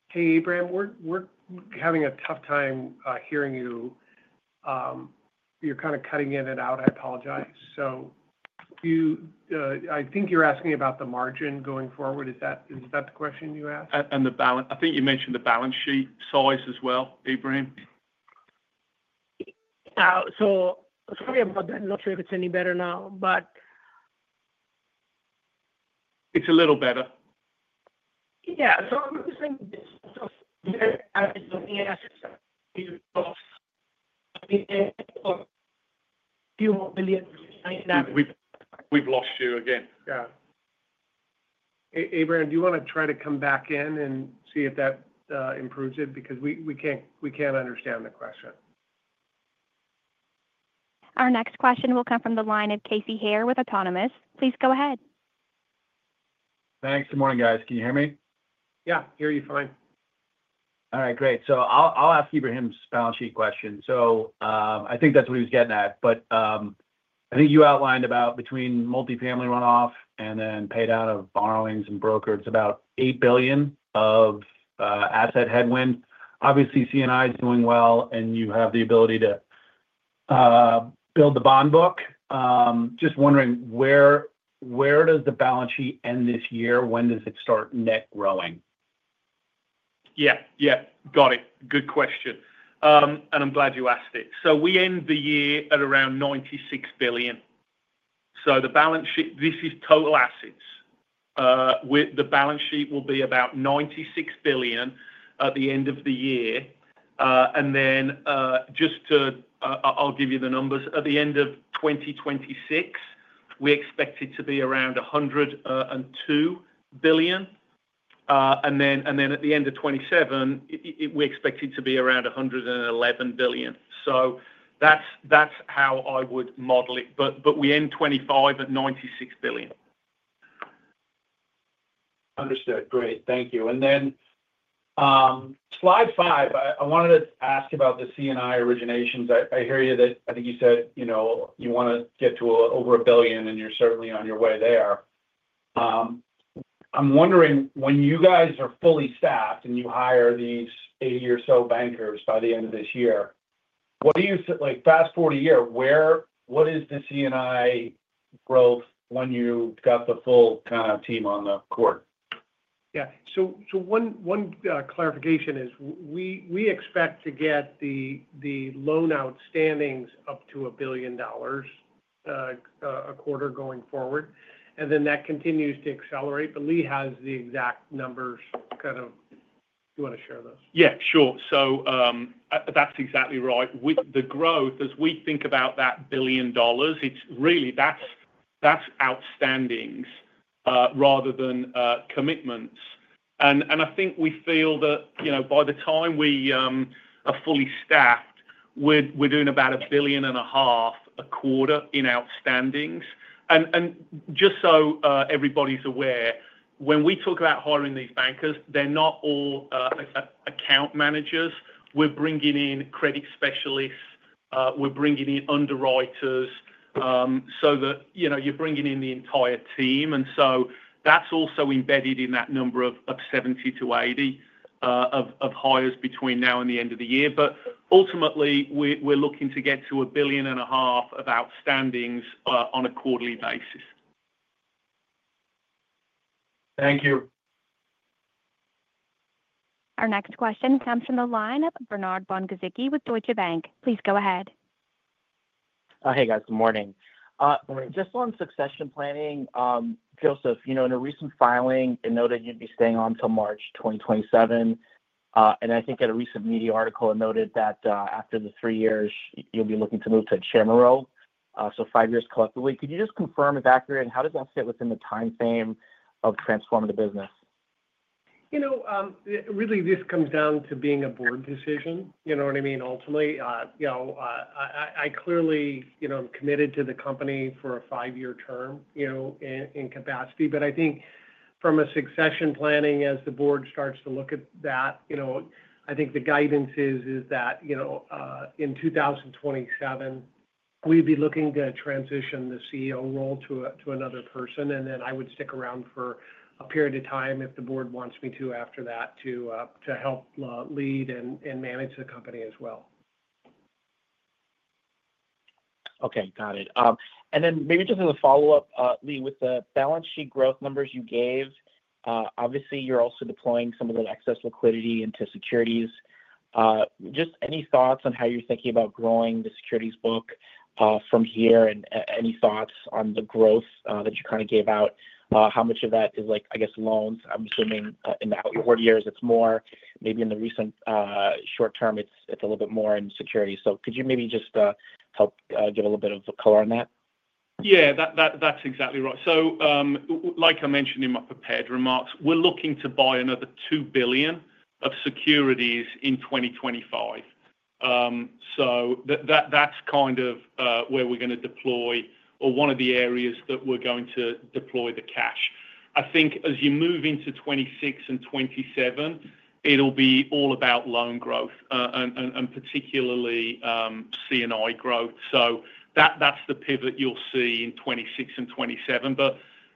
Hey, Ebrahim, we're having a tough time hearing you. You're kind of cutting in and out. I apologize. I think you're asking about the margin going forward. Is that the question you asked? I think you mentioned the balance sheet size as well, Ebrahim. Sorry about that. I'm not sure if it's any better now, but. It's a little better. *audio distortion* We've lost you again. Yeah. Ebrahim, do you want to try to come back in and see if that improves it? Because we can't understand the question. Our next question will come from the line of Casey Haire with Autonomous. Please go ahead. Thanks. Good morning, guys. Can you hear me? Yeah. Hear you fine. All right. Great. I'll ask Ebrahim's balance sheet question. I think that's what he was getting at. I think you outlined about between multifamily runoff and then paid out of borrowings and brokers, about $8 billion of asset headwind. Obviously, C&I is doing well, and you have the ability to build the bond book. Just wondering, where does the balance sheet end this year? When does it start net growing? Yeah. Got it. Good question. I'm glad you asked it. We end the year at around $96 billion. This is total assets. The balance sheet will be about $96 billion at the end of the year. I'll give you the numbers. At the end of 2026, we expect it to be around $102 billion. At the end of 2027, we expect it to be around $111 billion. That's how I would model it. We end 2025 at $96 billion. Understood. Great. Thank you. Slide five, I wanted to ask about the C&I originations. I hear you that I think you said you want to get to over $1 billion, and you're certainly on your way there. I'm wondering, when you guys are fully staffed and you hire these 80 or so bankers by the end of this year, what do you fast forward a year, what is the C&I growth when you've got the full kind of team on the quarter? Yeah. One clarification is we expect to get the loan outstandings up to $1 billion a quarter going forward, and that continues to accelerate. Lee has the exact numbers if you want to share those. Yeah. Sure. That's exactly right. With the growth, as we think about that $1 billion, it's really outstandings rather than commitments. I think we feel that by the time we are fully staffed, we're doing about $1.5 billion a quarter in outstandings. Just so everybody's aware, when we talk about hiring these bankers, they're not all account managers. We're bringing in credit specialists. We're bringing in underwriters so that you're bringing in the entire team. That's also embedded in that number of 70-80 of hires between now and the end of the year. Ultimately, we're looking to get to $1.5 billion of outstandings on a quarterly basis. Thank you. Our next question comes from the line of Bernard von-Gizycki with Deutsche Bank. Please go ahead. Hey, guys. Good morning. Just on succession planning, Joseph, in a recent filing, it noted you'd be staying on until March 2027. I think in a recent media article, it noted that after the three years, you'll be looking to move to Chairman role, so five years collectively. Could you just confirm if accurate and how does that fit within the timeframe of transforming the business? Really, this comes down to being a board decision. You know what I mean? Ultimately, I clearly am committed to the company for a five-year term in capacity. I think from a succession planning, as the board starts to look at that, I think the guidance is that in 2027, we'd be looking to transition the CEO role to another person. I would stick around for a period of time if the board wants me to after that to help lead and manage the company as well. Okay. Got it. Maybe just as a follow-up, Lee, with the balance sheet growth numbers you gave, obviously, you're also deploying some of the excess liquidity into securities. Just any thoughts on how you're thinking about growing the securities book from here and any thoughts on the growth that you kind of gave out? How much of that is, I guess, loans? I'm assuming in the outward years, it's more. Maybe in the recent short term, it's a little bit more in security. Could you maybe just help give a little bit of color on that? Yeah. That's exactly right. Like I mentioned in my prepared remarks, we're looking to buy another $2 billion of securities in 2025. That's kind of where we're going to deploy or one of the areas that we're going to deploy the cash. I think as you move into 2026 and 2027, it'll be all about loan growth and particularly C&I growth. That's the pivot you'll see in 2026 and 2027.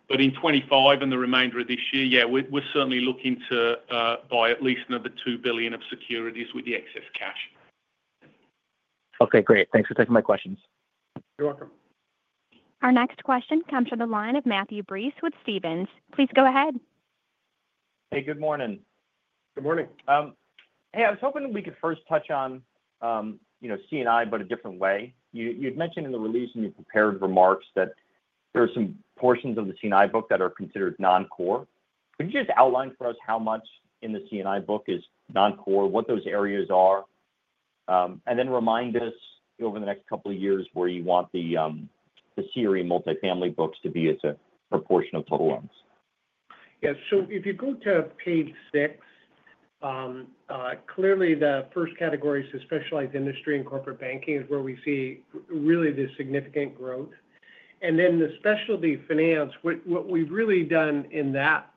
In 2025 and the remainder of this year, yeah, we're certainly looking to buy at least another $2 billion of securities with the excess cash. Okay. Great. Thanks for taking my questions. You're welcome. Our next question comes from the line of Matthew Breese with Stephens. Please go ahead. Hey. Good morning. Good morning. Hey, I was hoping we could first touch on C&I, but a different way. You had mentioned in the release and your prepared remarks that there are some portions of the C&I book that are considered non-core. Could you just outline for us how much in the C&I book is non-core, what those areas are, and then remind us over the next couple of years where you want the CRE multifamily books to be as a proportion of total loans? If you go to page six, clearly, the first category is the specialized industry and corporate banking is where we see really the significant growth. The specialty finance, what we've really done in that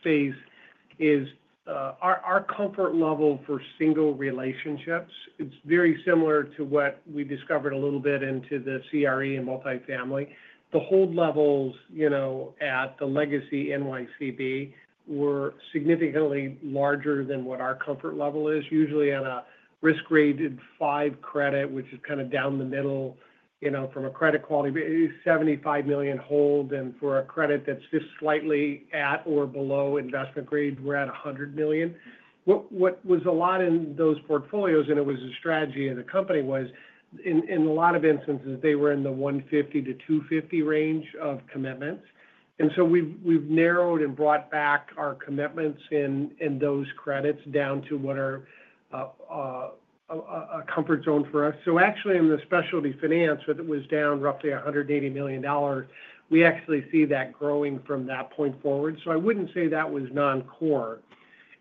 space is our comfort level for single relationships. It's very similar to what we discovered a little bit into the CRE and multifamily. The hold levels at the legacy NYCB were significantly larger than what our comfort level is, usually on a risk-rated five credit, which is kind of down the middle from a credit quality. It is $75 million hold. For a credit that is just slightly at or below investment grade, we are at $100 million. What was a lot in those portfolios, and it was a strategy of the company, was in a lot of instances, they were in the [$150 million-$250 million] range of commitments. We have narrowed and brought back our commitments in those credits down to what are a comfort zone for us. Actually, in the specialty finance, it was down roughly $180 million. We actually see that growing from that point forward. I would not say that was non-core.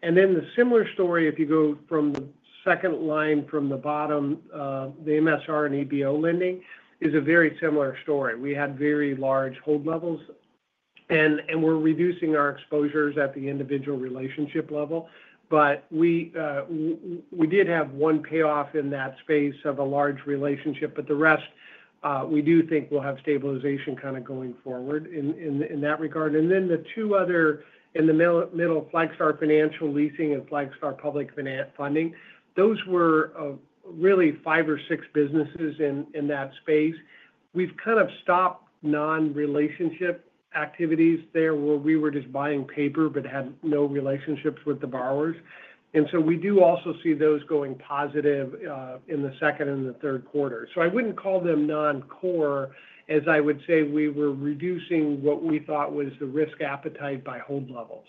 A similar story, if you go from the second line from the bottom, the MSR and EBO lending is a very similar story. We had very large hold levels, and we are reducing our exposures at the individual relationship level. We did have one payoff in that space of a large relationship. The rest, we do think we will have stabilization going forward in that regard. The two other in the middle, Flagstar Financial Leasing and Flagstar Public Funding, those were really five or six businesses in that space. We've kind of stopped non-relationship activities there where we were just buying paper but had no relationships with the borrowers. We do also see those going positive in the second and the third quarter. I would not call them non-core as I would say we were reducing what we thought was the risk appetite by hold levels.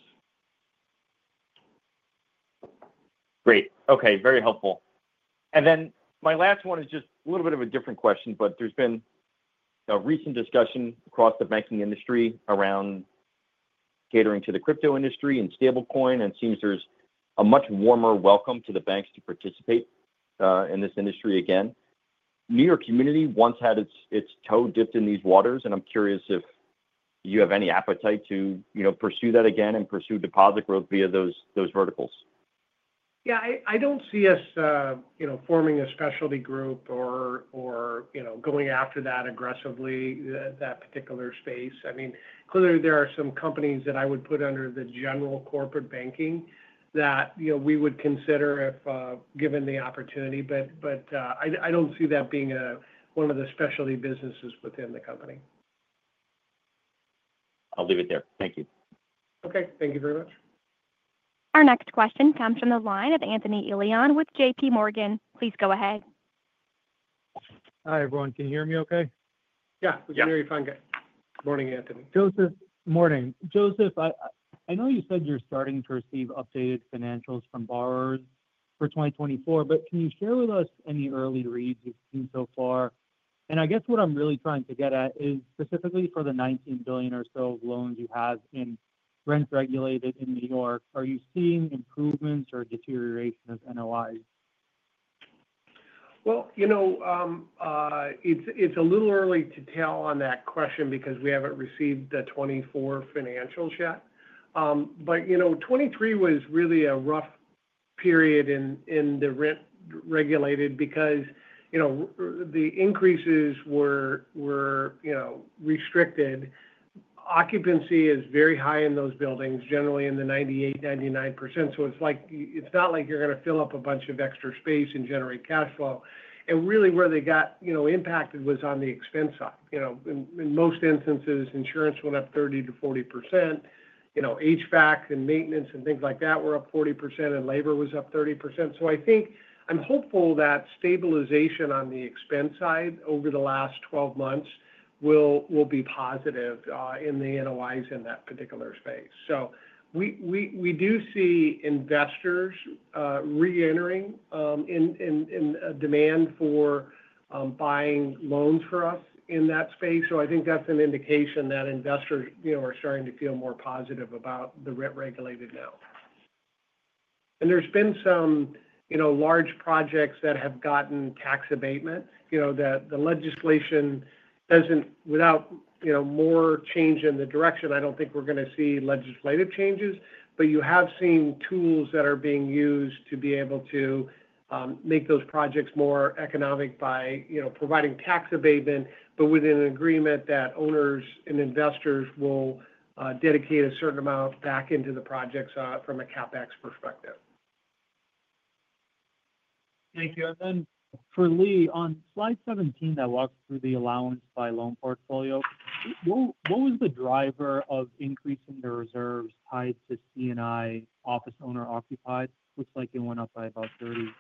Great. Okay. Very helpful. My last one is just a little bit of a different question, but there's been a recent discussion across the banking industry around catering to the crypto industry and stablecoin. It seems there's a much warmer welcome to the banks to participate in this industry again. New York community once had its toe dipped in these waters, and I'm curious if you have any appetite to pursue that again and pursue deposit growth via those verticals. I do not see us forming a specialty group or going after that aggressively, that particular space. I mean, clearly, there are some companies that I would put under the general corporate banking that we would consider if given the opportunity. But I do not see that being one of the specialty businesses within the company. I will leave it there. Thank you. Okay. Thank you very much. Our next question comes from the line of Anthony Elian with JPMorgan. Please go ahead. Hi, everyone. Can you hear me okay? Yeah. We can hear you fine. Good morning, Anthony. Joseph, good morning. Joseph, I know you said you are starting to receive updated financials from borrowers for 2024, but can you share with us any early reads you have seen so far? I guess what I'm really trying to get at is specifically for the $19 billion or so loans you have in rent-regulated in New York, are you seeing improvements or deterioration of NOIs? It is a little early to tell on that question because we have not received the 2024 financials yet. 2023 was really a rough period in the rent-regulated because the increases were restricted. Occupancy is very high in those buildings, generally in the 98%-99% range. It is not like you are going to fill up a bunch of extra space and generate cash flow. Where they got impacted was on the expense side. In most instances, insurance went up 30%-40%. HVAC and maintenance and things like that were up 40%, and labor was up 30%. I'm hopeful that stabilization on the expense side over the last 12 months will be positive in the NOIs in that particular space. We do see investors re-entering in demand for buying loans for us in that space. I think that's an indication that investors are starting to feel more positive about the rent-regulated now. There have been some large projects that have gotten tax abatement. The legislation does not, without more change in the direction, I don't think we're going to see legislative changes. You have seen tools that are being used to be able to make those projects more economic by providing tax abatement, but with an agreement that owners and investors will dedicate a certain amount back into the projects from a CapEx perspective. Thank you. For Lee, on slide 17 that walks through the allowance by loan portfolio, what was the driver of increasing the reserves tied to C&I office owner-occupied? Looks like it went up by about [$30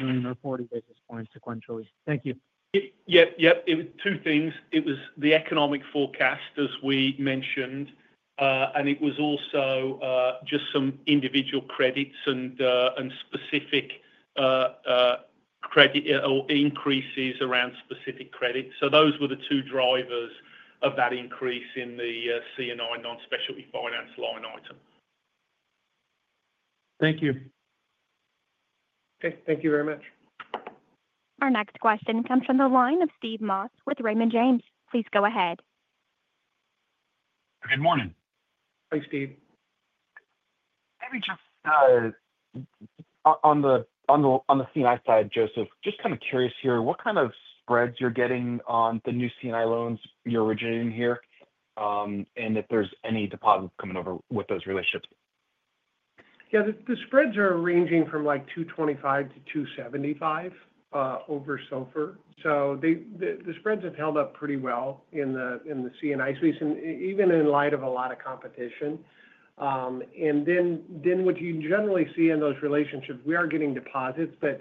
million] or 40 basis points sequentially. Thank you. Yeah. Yep. It was two things. It was the economic forecast, as we mentioned, and it was also just some individual credits and specific credit increases around specific credit. So those were the two drivers of that increase in the C&I non-specialty finance line item. Thank you. Okay. Thank you very much. Our next question comes from the line of Steve Moss with Raymond James. Please go ahead. Good morning. Hi, Steve. Maybe just on the C&I side, Joseph, just kind of curious here, what kind of spreads you're getting on the new C&I loans you're originating here and if there's any deposits coming over with those relationships? Yeah. The spreads are ranging from like 225-275 over SOFR. The spreads have held up pretty well in the C&I space, even in light of a lot of competition. What you generally see in those relationships, we are getting deposits, but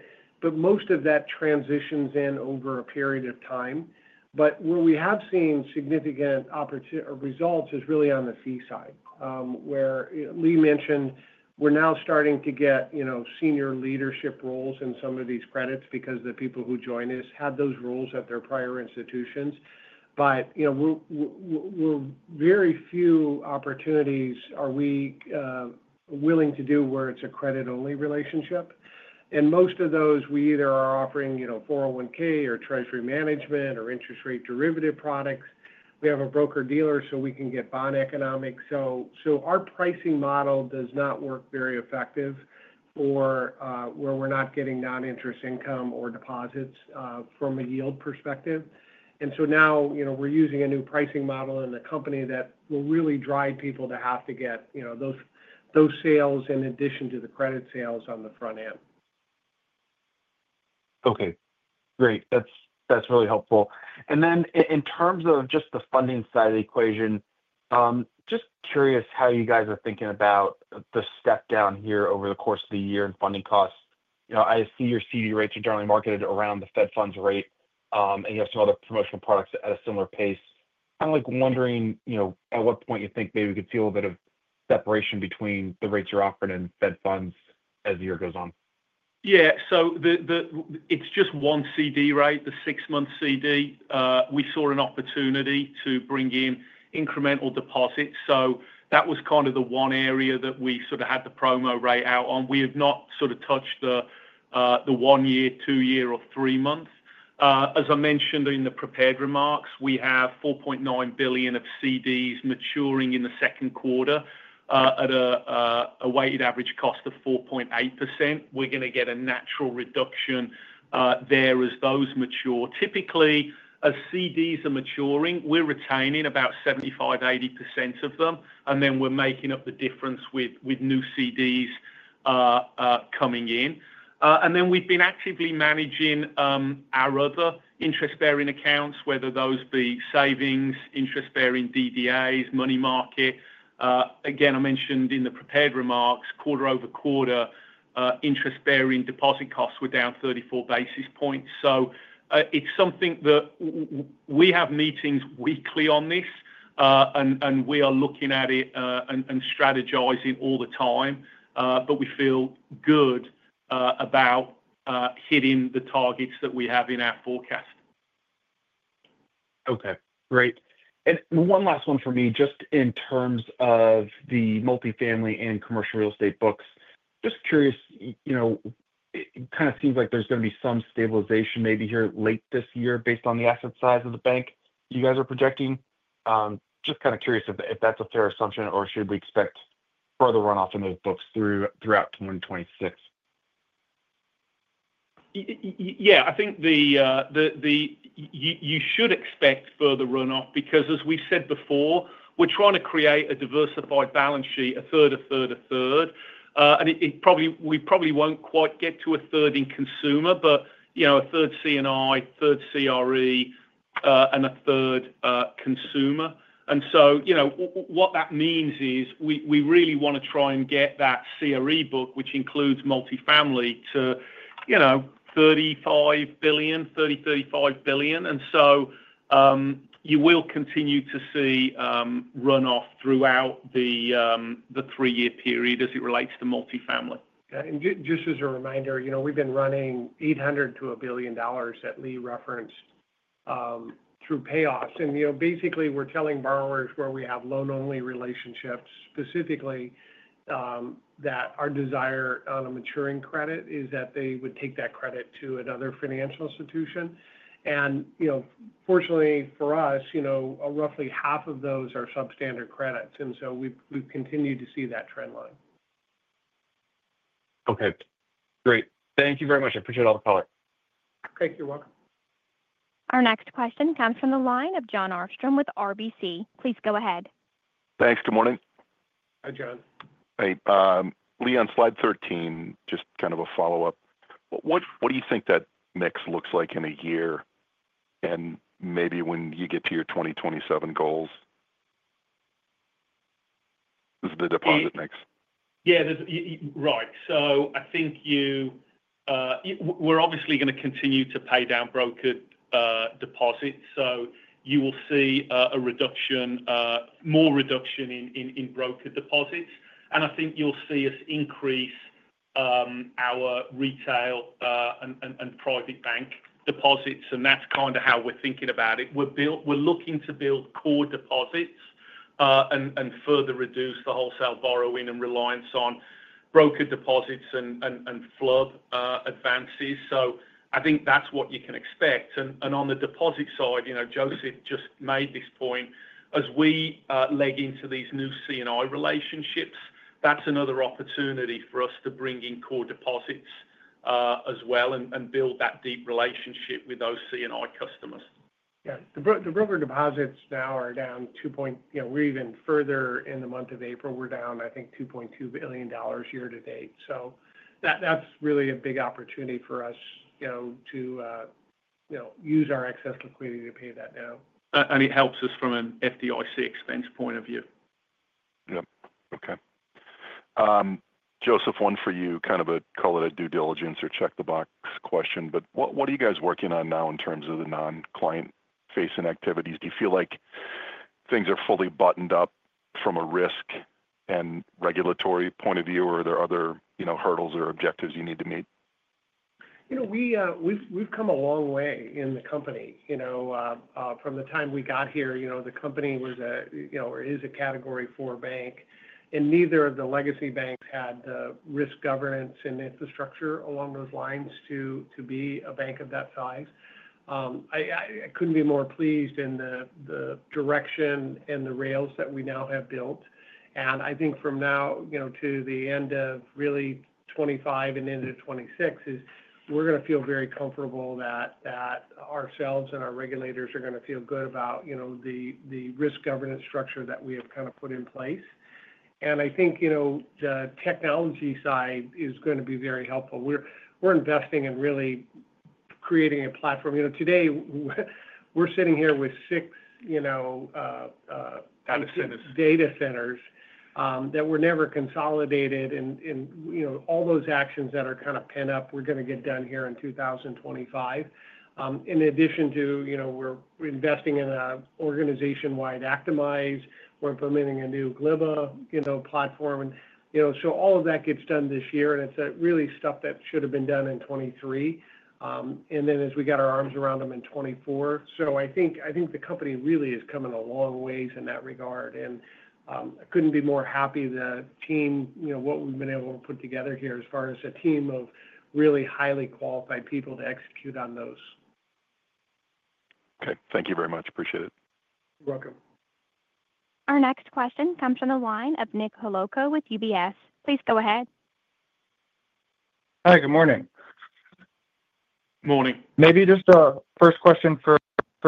most of that transitions in over a period of time. Where we have seen significant results is really on the fee side, where Lee mentioned we're now starting to get senior leadership roles in some of these credits because the people who join us had those roles at their prior institutions. Very few opportunities are we willing to do where it's a credit-only relationship. Most of those, we either are offering 401(k) or treasury management or interest-rate derivative products. We have a broker-dealer, so we can get bond economics. Our pricing model does not work very effective for where we're not getting non-interest income or deposits from a yield perspective. Now we're using a new pricing model in the company that will really drive people to have to get those sales in addition to the credit sales on the front end. Okay. Great. That's really helpful. In terms of just the funding side of the equation, just curious how you guys are thinking about the step down here over the course of the year in funding costs. I see your CD rates are generally marketed around the Fed funds rate, and you have some other promotional products at a similar pace. Kind of wondering at what point you think maybe we could see a little bit of separation between the rates you're offering and Fed funds as the year goes on. Yeah. It is just one CD rate, the six-month CD. We saw an opportunity to bring in incremental deposits. That was kind of the one area that we sort of had the promo rate out on. We have not sort of touched the one-year, two-year, or three-month. As I mentioned in the prepared remarks, we have $4.9 billion of CDs maturing in the second quarter at a weighted average cost of 4.8%. We are going to get a natural reduction there as those mature. Typically, as CDs are maturing, we are retaining about 75%-80% of them, and then we are making up the difference with new CDs coming in. We have been actively managing our other interest-bearing accounts, whether those be savings, interest-bearing DDAs, money market. I mentioned in the prepared remarks, quarter-over-quarter interest-bearing deposit costs were down 34 basis points. It is something that we have meetings weekly on, and we are looking at it and strategizing all the time, but we feel good about hitting the targets that we have in our forecast. Great. One last one for me, just in terms of the multifamily and commercial real estate books. Just curious, it kind of seems like there is going to be some stabilization maybe here late this year based on the asset size of the bank you guys are projecting. Just kind of curious if that is a fair assumption or should we expect further runoff in those books throughout 2026. I think you should expect further runoff because, as we said before, we're trying to create a diversified balance sheet, 1/3, 1/3, 1/3. We probably won't quite get to 1/3 in consumer, but third C&I, third CRE, and 1/3 consumer. What that means is we really want to try and get that CRE book, which includes multifamily, to $30 billion-$35 billion. You will continue to see runoff throughout the three-year period as it relates to multifamily. Okay. Just as a reminder, we've been running $800 million to $1 billion that Lee referenced through payoffs. Basically, we're telling borrowers where we have loan-only relationships, specifically that our desire on a maturing credit is that they would take that credit to another financial institution. Fortunately for us, roughly half of those are substandard credits. We have continued to see that trend line. Okay. Great. Thank you very much. I appreciate all the color. Thank you. You're welcome. Our next question comes from the line of Jon Arfstrom with RBC. Please go ahead. Thanks. Good morning. Hi, Jon. Hey. Lee, on slide 13, just kind of a follow-up. What do you think that mix looks like in a year and maybe when you get to your 2027 goals? Is the deposit mix? Yeah. Right. I think we are obviously going to continue to pay down brokered deposits. You will see a more reduction in brokered deposits. I think you will see us increase our retail and private bank deposits. That is kind of how we are thinking about it. We are looking to build core deposits and further reduce the wholesale borrowing and reliance on brokered deposits and FHLB advances. I think that's what you can expect. On the deposit side, Joseph just made this point. As we leg into these new C&I relationships, that's another opportunity for us to bring in core deposits as well and build that deep relationship with those C&I customers. Yeah. The brokered deposits now are down two point, we're even further in the month of April. We're down, I think, $2.2 billion year to date. That's really a big opportunity for us to use our excess liquidity to pay that down. It helps us from an FDIC expense point of view. Yep. Okay. Joseph, one for you, kind of a call it a due diligence or check-the-box question, but what are you guys working on now in terms of the non-client-facing activities? Do you feel like things are fully buttoned up from a risk and regulatory point of view, or are there other hurdles or objectives you need to meet? We've come a long way in the company. From the time we got here, the company was a or is a category four bank, and neither of the legacy banks had the risk governance and infrastructure along those lines to be a bank of that size. I could not be more pleased in the direction and the rails that we now have built. I think from now to the end of really 2025 and into 2026 is we are going to feel very comfortable that ourselves and our regulators are going to feel good about the risk governance structure that we have kind of put in place. I think the technology side is going to be very helpful. We're investing in really creating a platform. Today, we're sitting here with six data centers that were never consolidated, and all those actions that are kind of pent up, we're going to get done here in 2025. In addition to we're investing in an organization-wide Actimize. We're implementing a new global platform. All of that gets done this year, and it's really stuff that should have been done in 2023. As we got our arms around them in 2024, I think the company really is coming a long ways in that regard. I couldn't be more happy with the team, what we've been able to put together here as far as a team of really highly qualified people to execute on those. Okay. Thank you very much. Appreciate it. You're welcome. Our next question comes from the line of Nick Holowko with UBS. Please go ahead. Hi. Good morning. Morning. Maybe just a first question for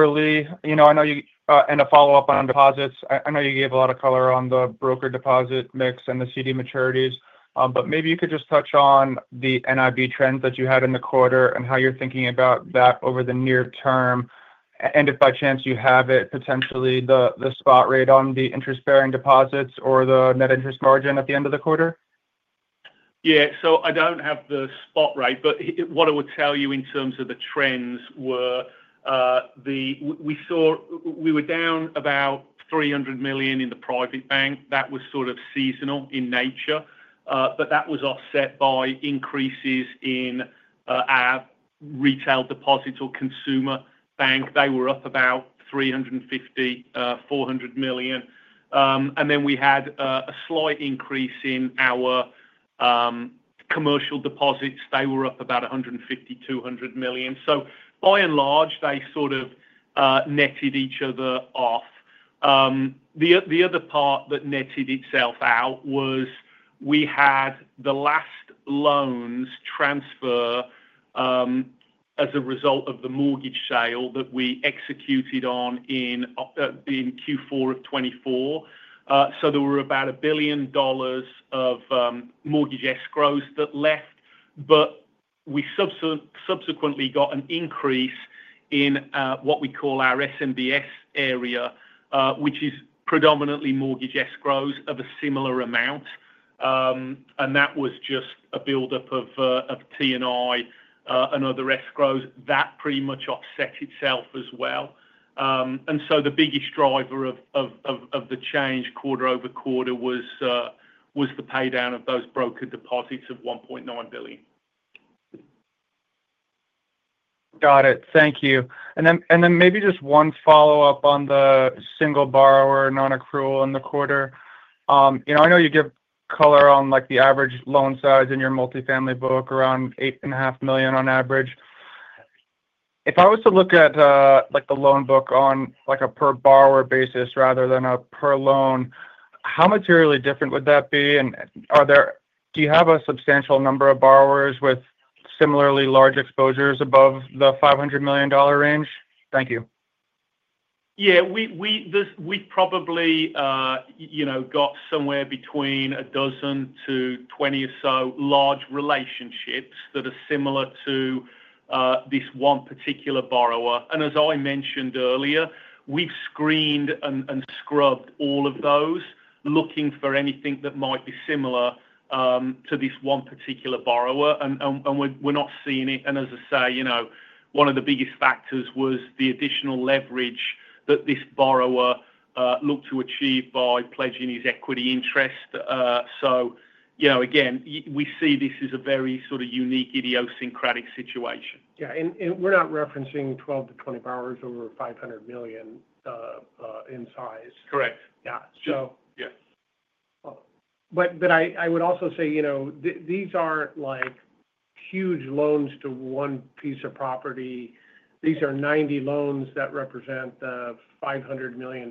Lee. I know you and a follow-up on deposits. I know you gave a lot of color on the brokered deposit mix and the CD maturities, but maybe you could just touch on the NIB trend that you had in the quarter and how you're thinking about that over the near term. And if by chance you have it, potentially the spot rate on the interest-bearing deposits or the net interest margin at the end of the quarter. Yeah. I don't have the spot rate, but what I would tell you in terms of the trends were we were down about $300 million in the private bank. That was sort of seasonal in nature, but that was offset by increases in our retail deposits or consumer bank. They were up about $350 million-$400 million. We had a slight increase in our commercial deposits. They were up about $150 million-$200 million. By and large, they sort of netted each other off. The other part that netted itself out was we had the last loans transfer as a result of the mortgage sale that we executed on in Q4 of 2024. There were about $1 billion of mortgage escrows that left, but we subsequently got an increase in what we call our SMBS area, which is predominantly mortgage escrows of a similar amount. That was just a build-up of TNI and other escrows. That pretty much offset itself as well. The biggest driver of the change quarter-over-quarter was the paydown of those brokered deposits of $1.9 billion. Got it. Thank you. Maybe just one follow-up on the single borrower non-accrual in the quarter. I know you give color on the average loan size in your multifamily book, around $8.5 million on average. If I was to look at the loan book on a per-borrower basis rather than a per-loan, how materially different would that be? Do you have a substantial number of borrowers with similarly large exposures above the $500 million range? Thank you. Yeah. We've probably got somewhere between a dozen to 20 or so large relationships that are similar to this one particular borrower. As I mentioned earlier, we've screened and scrubbed all of those looking for anything that might be similar to this one particular borrower, and we're not seeing it. As I say, one of the biggest factors was the additional leverage that this borrower looked to achieve by pledging his equity interest. Again, we see this as a very sort of unique idiosyncratic situation. Yeah. We're not referencing 12 to 20 borrowers over $500 million in size. Correct. Yeah. Sure. I would also say these aren't huge loans to one piece of property. These are 90 loans that represent the $500 million.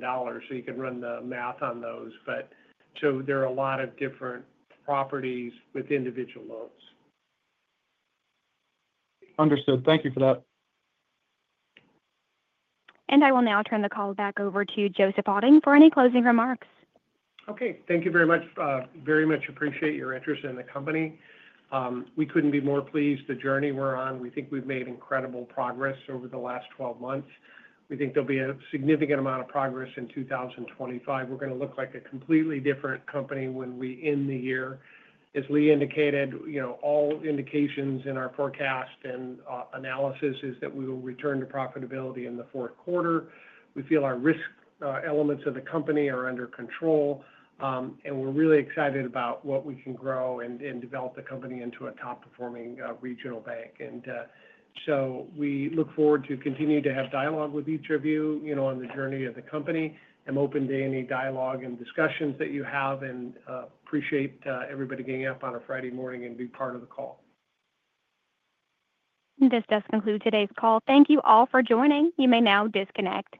You can run the math on those. There are a lot of different properties with individual loans. Understood. Thank you for that. I will now turn the call back over to Joseph Otting for any closing remarks. Okay. Thank you very much. Very much appreciate your interest in the company. We couldn't be more pleased. The journey we're on, we think we've made incredible progress over the last 12 months. We think there'll be a significant amount of progress in 2025. We're going to look like a completely different company when we end the year. As Lee indicated, all indications in our forecast and analysis is that we will return to profitability in the fourth quarter. We feel our risk elements of the company are under control, and we are really excited about what we can grow and develop the company into a top-performing regional bank. We look forward to continuing to have dialogue with each of you on the journey of the company. I am open to any dialogue and discussions that you have and appreciate everybody getting up on a Friday morning and being part of the call. This does conclude today's call. Thank you all for joining. You may now disconnect.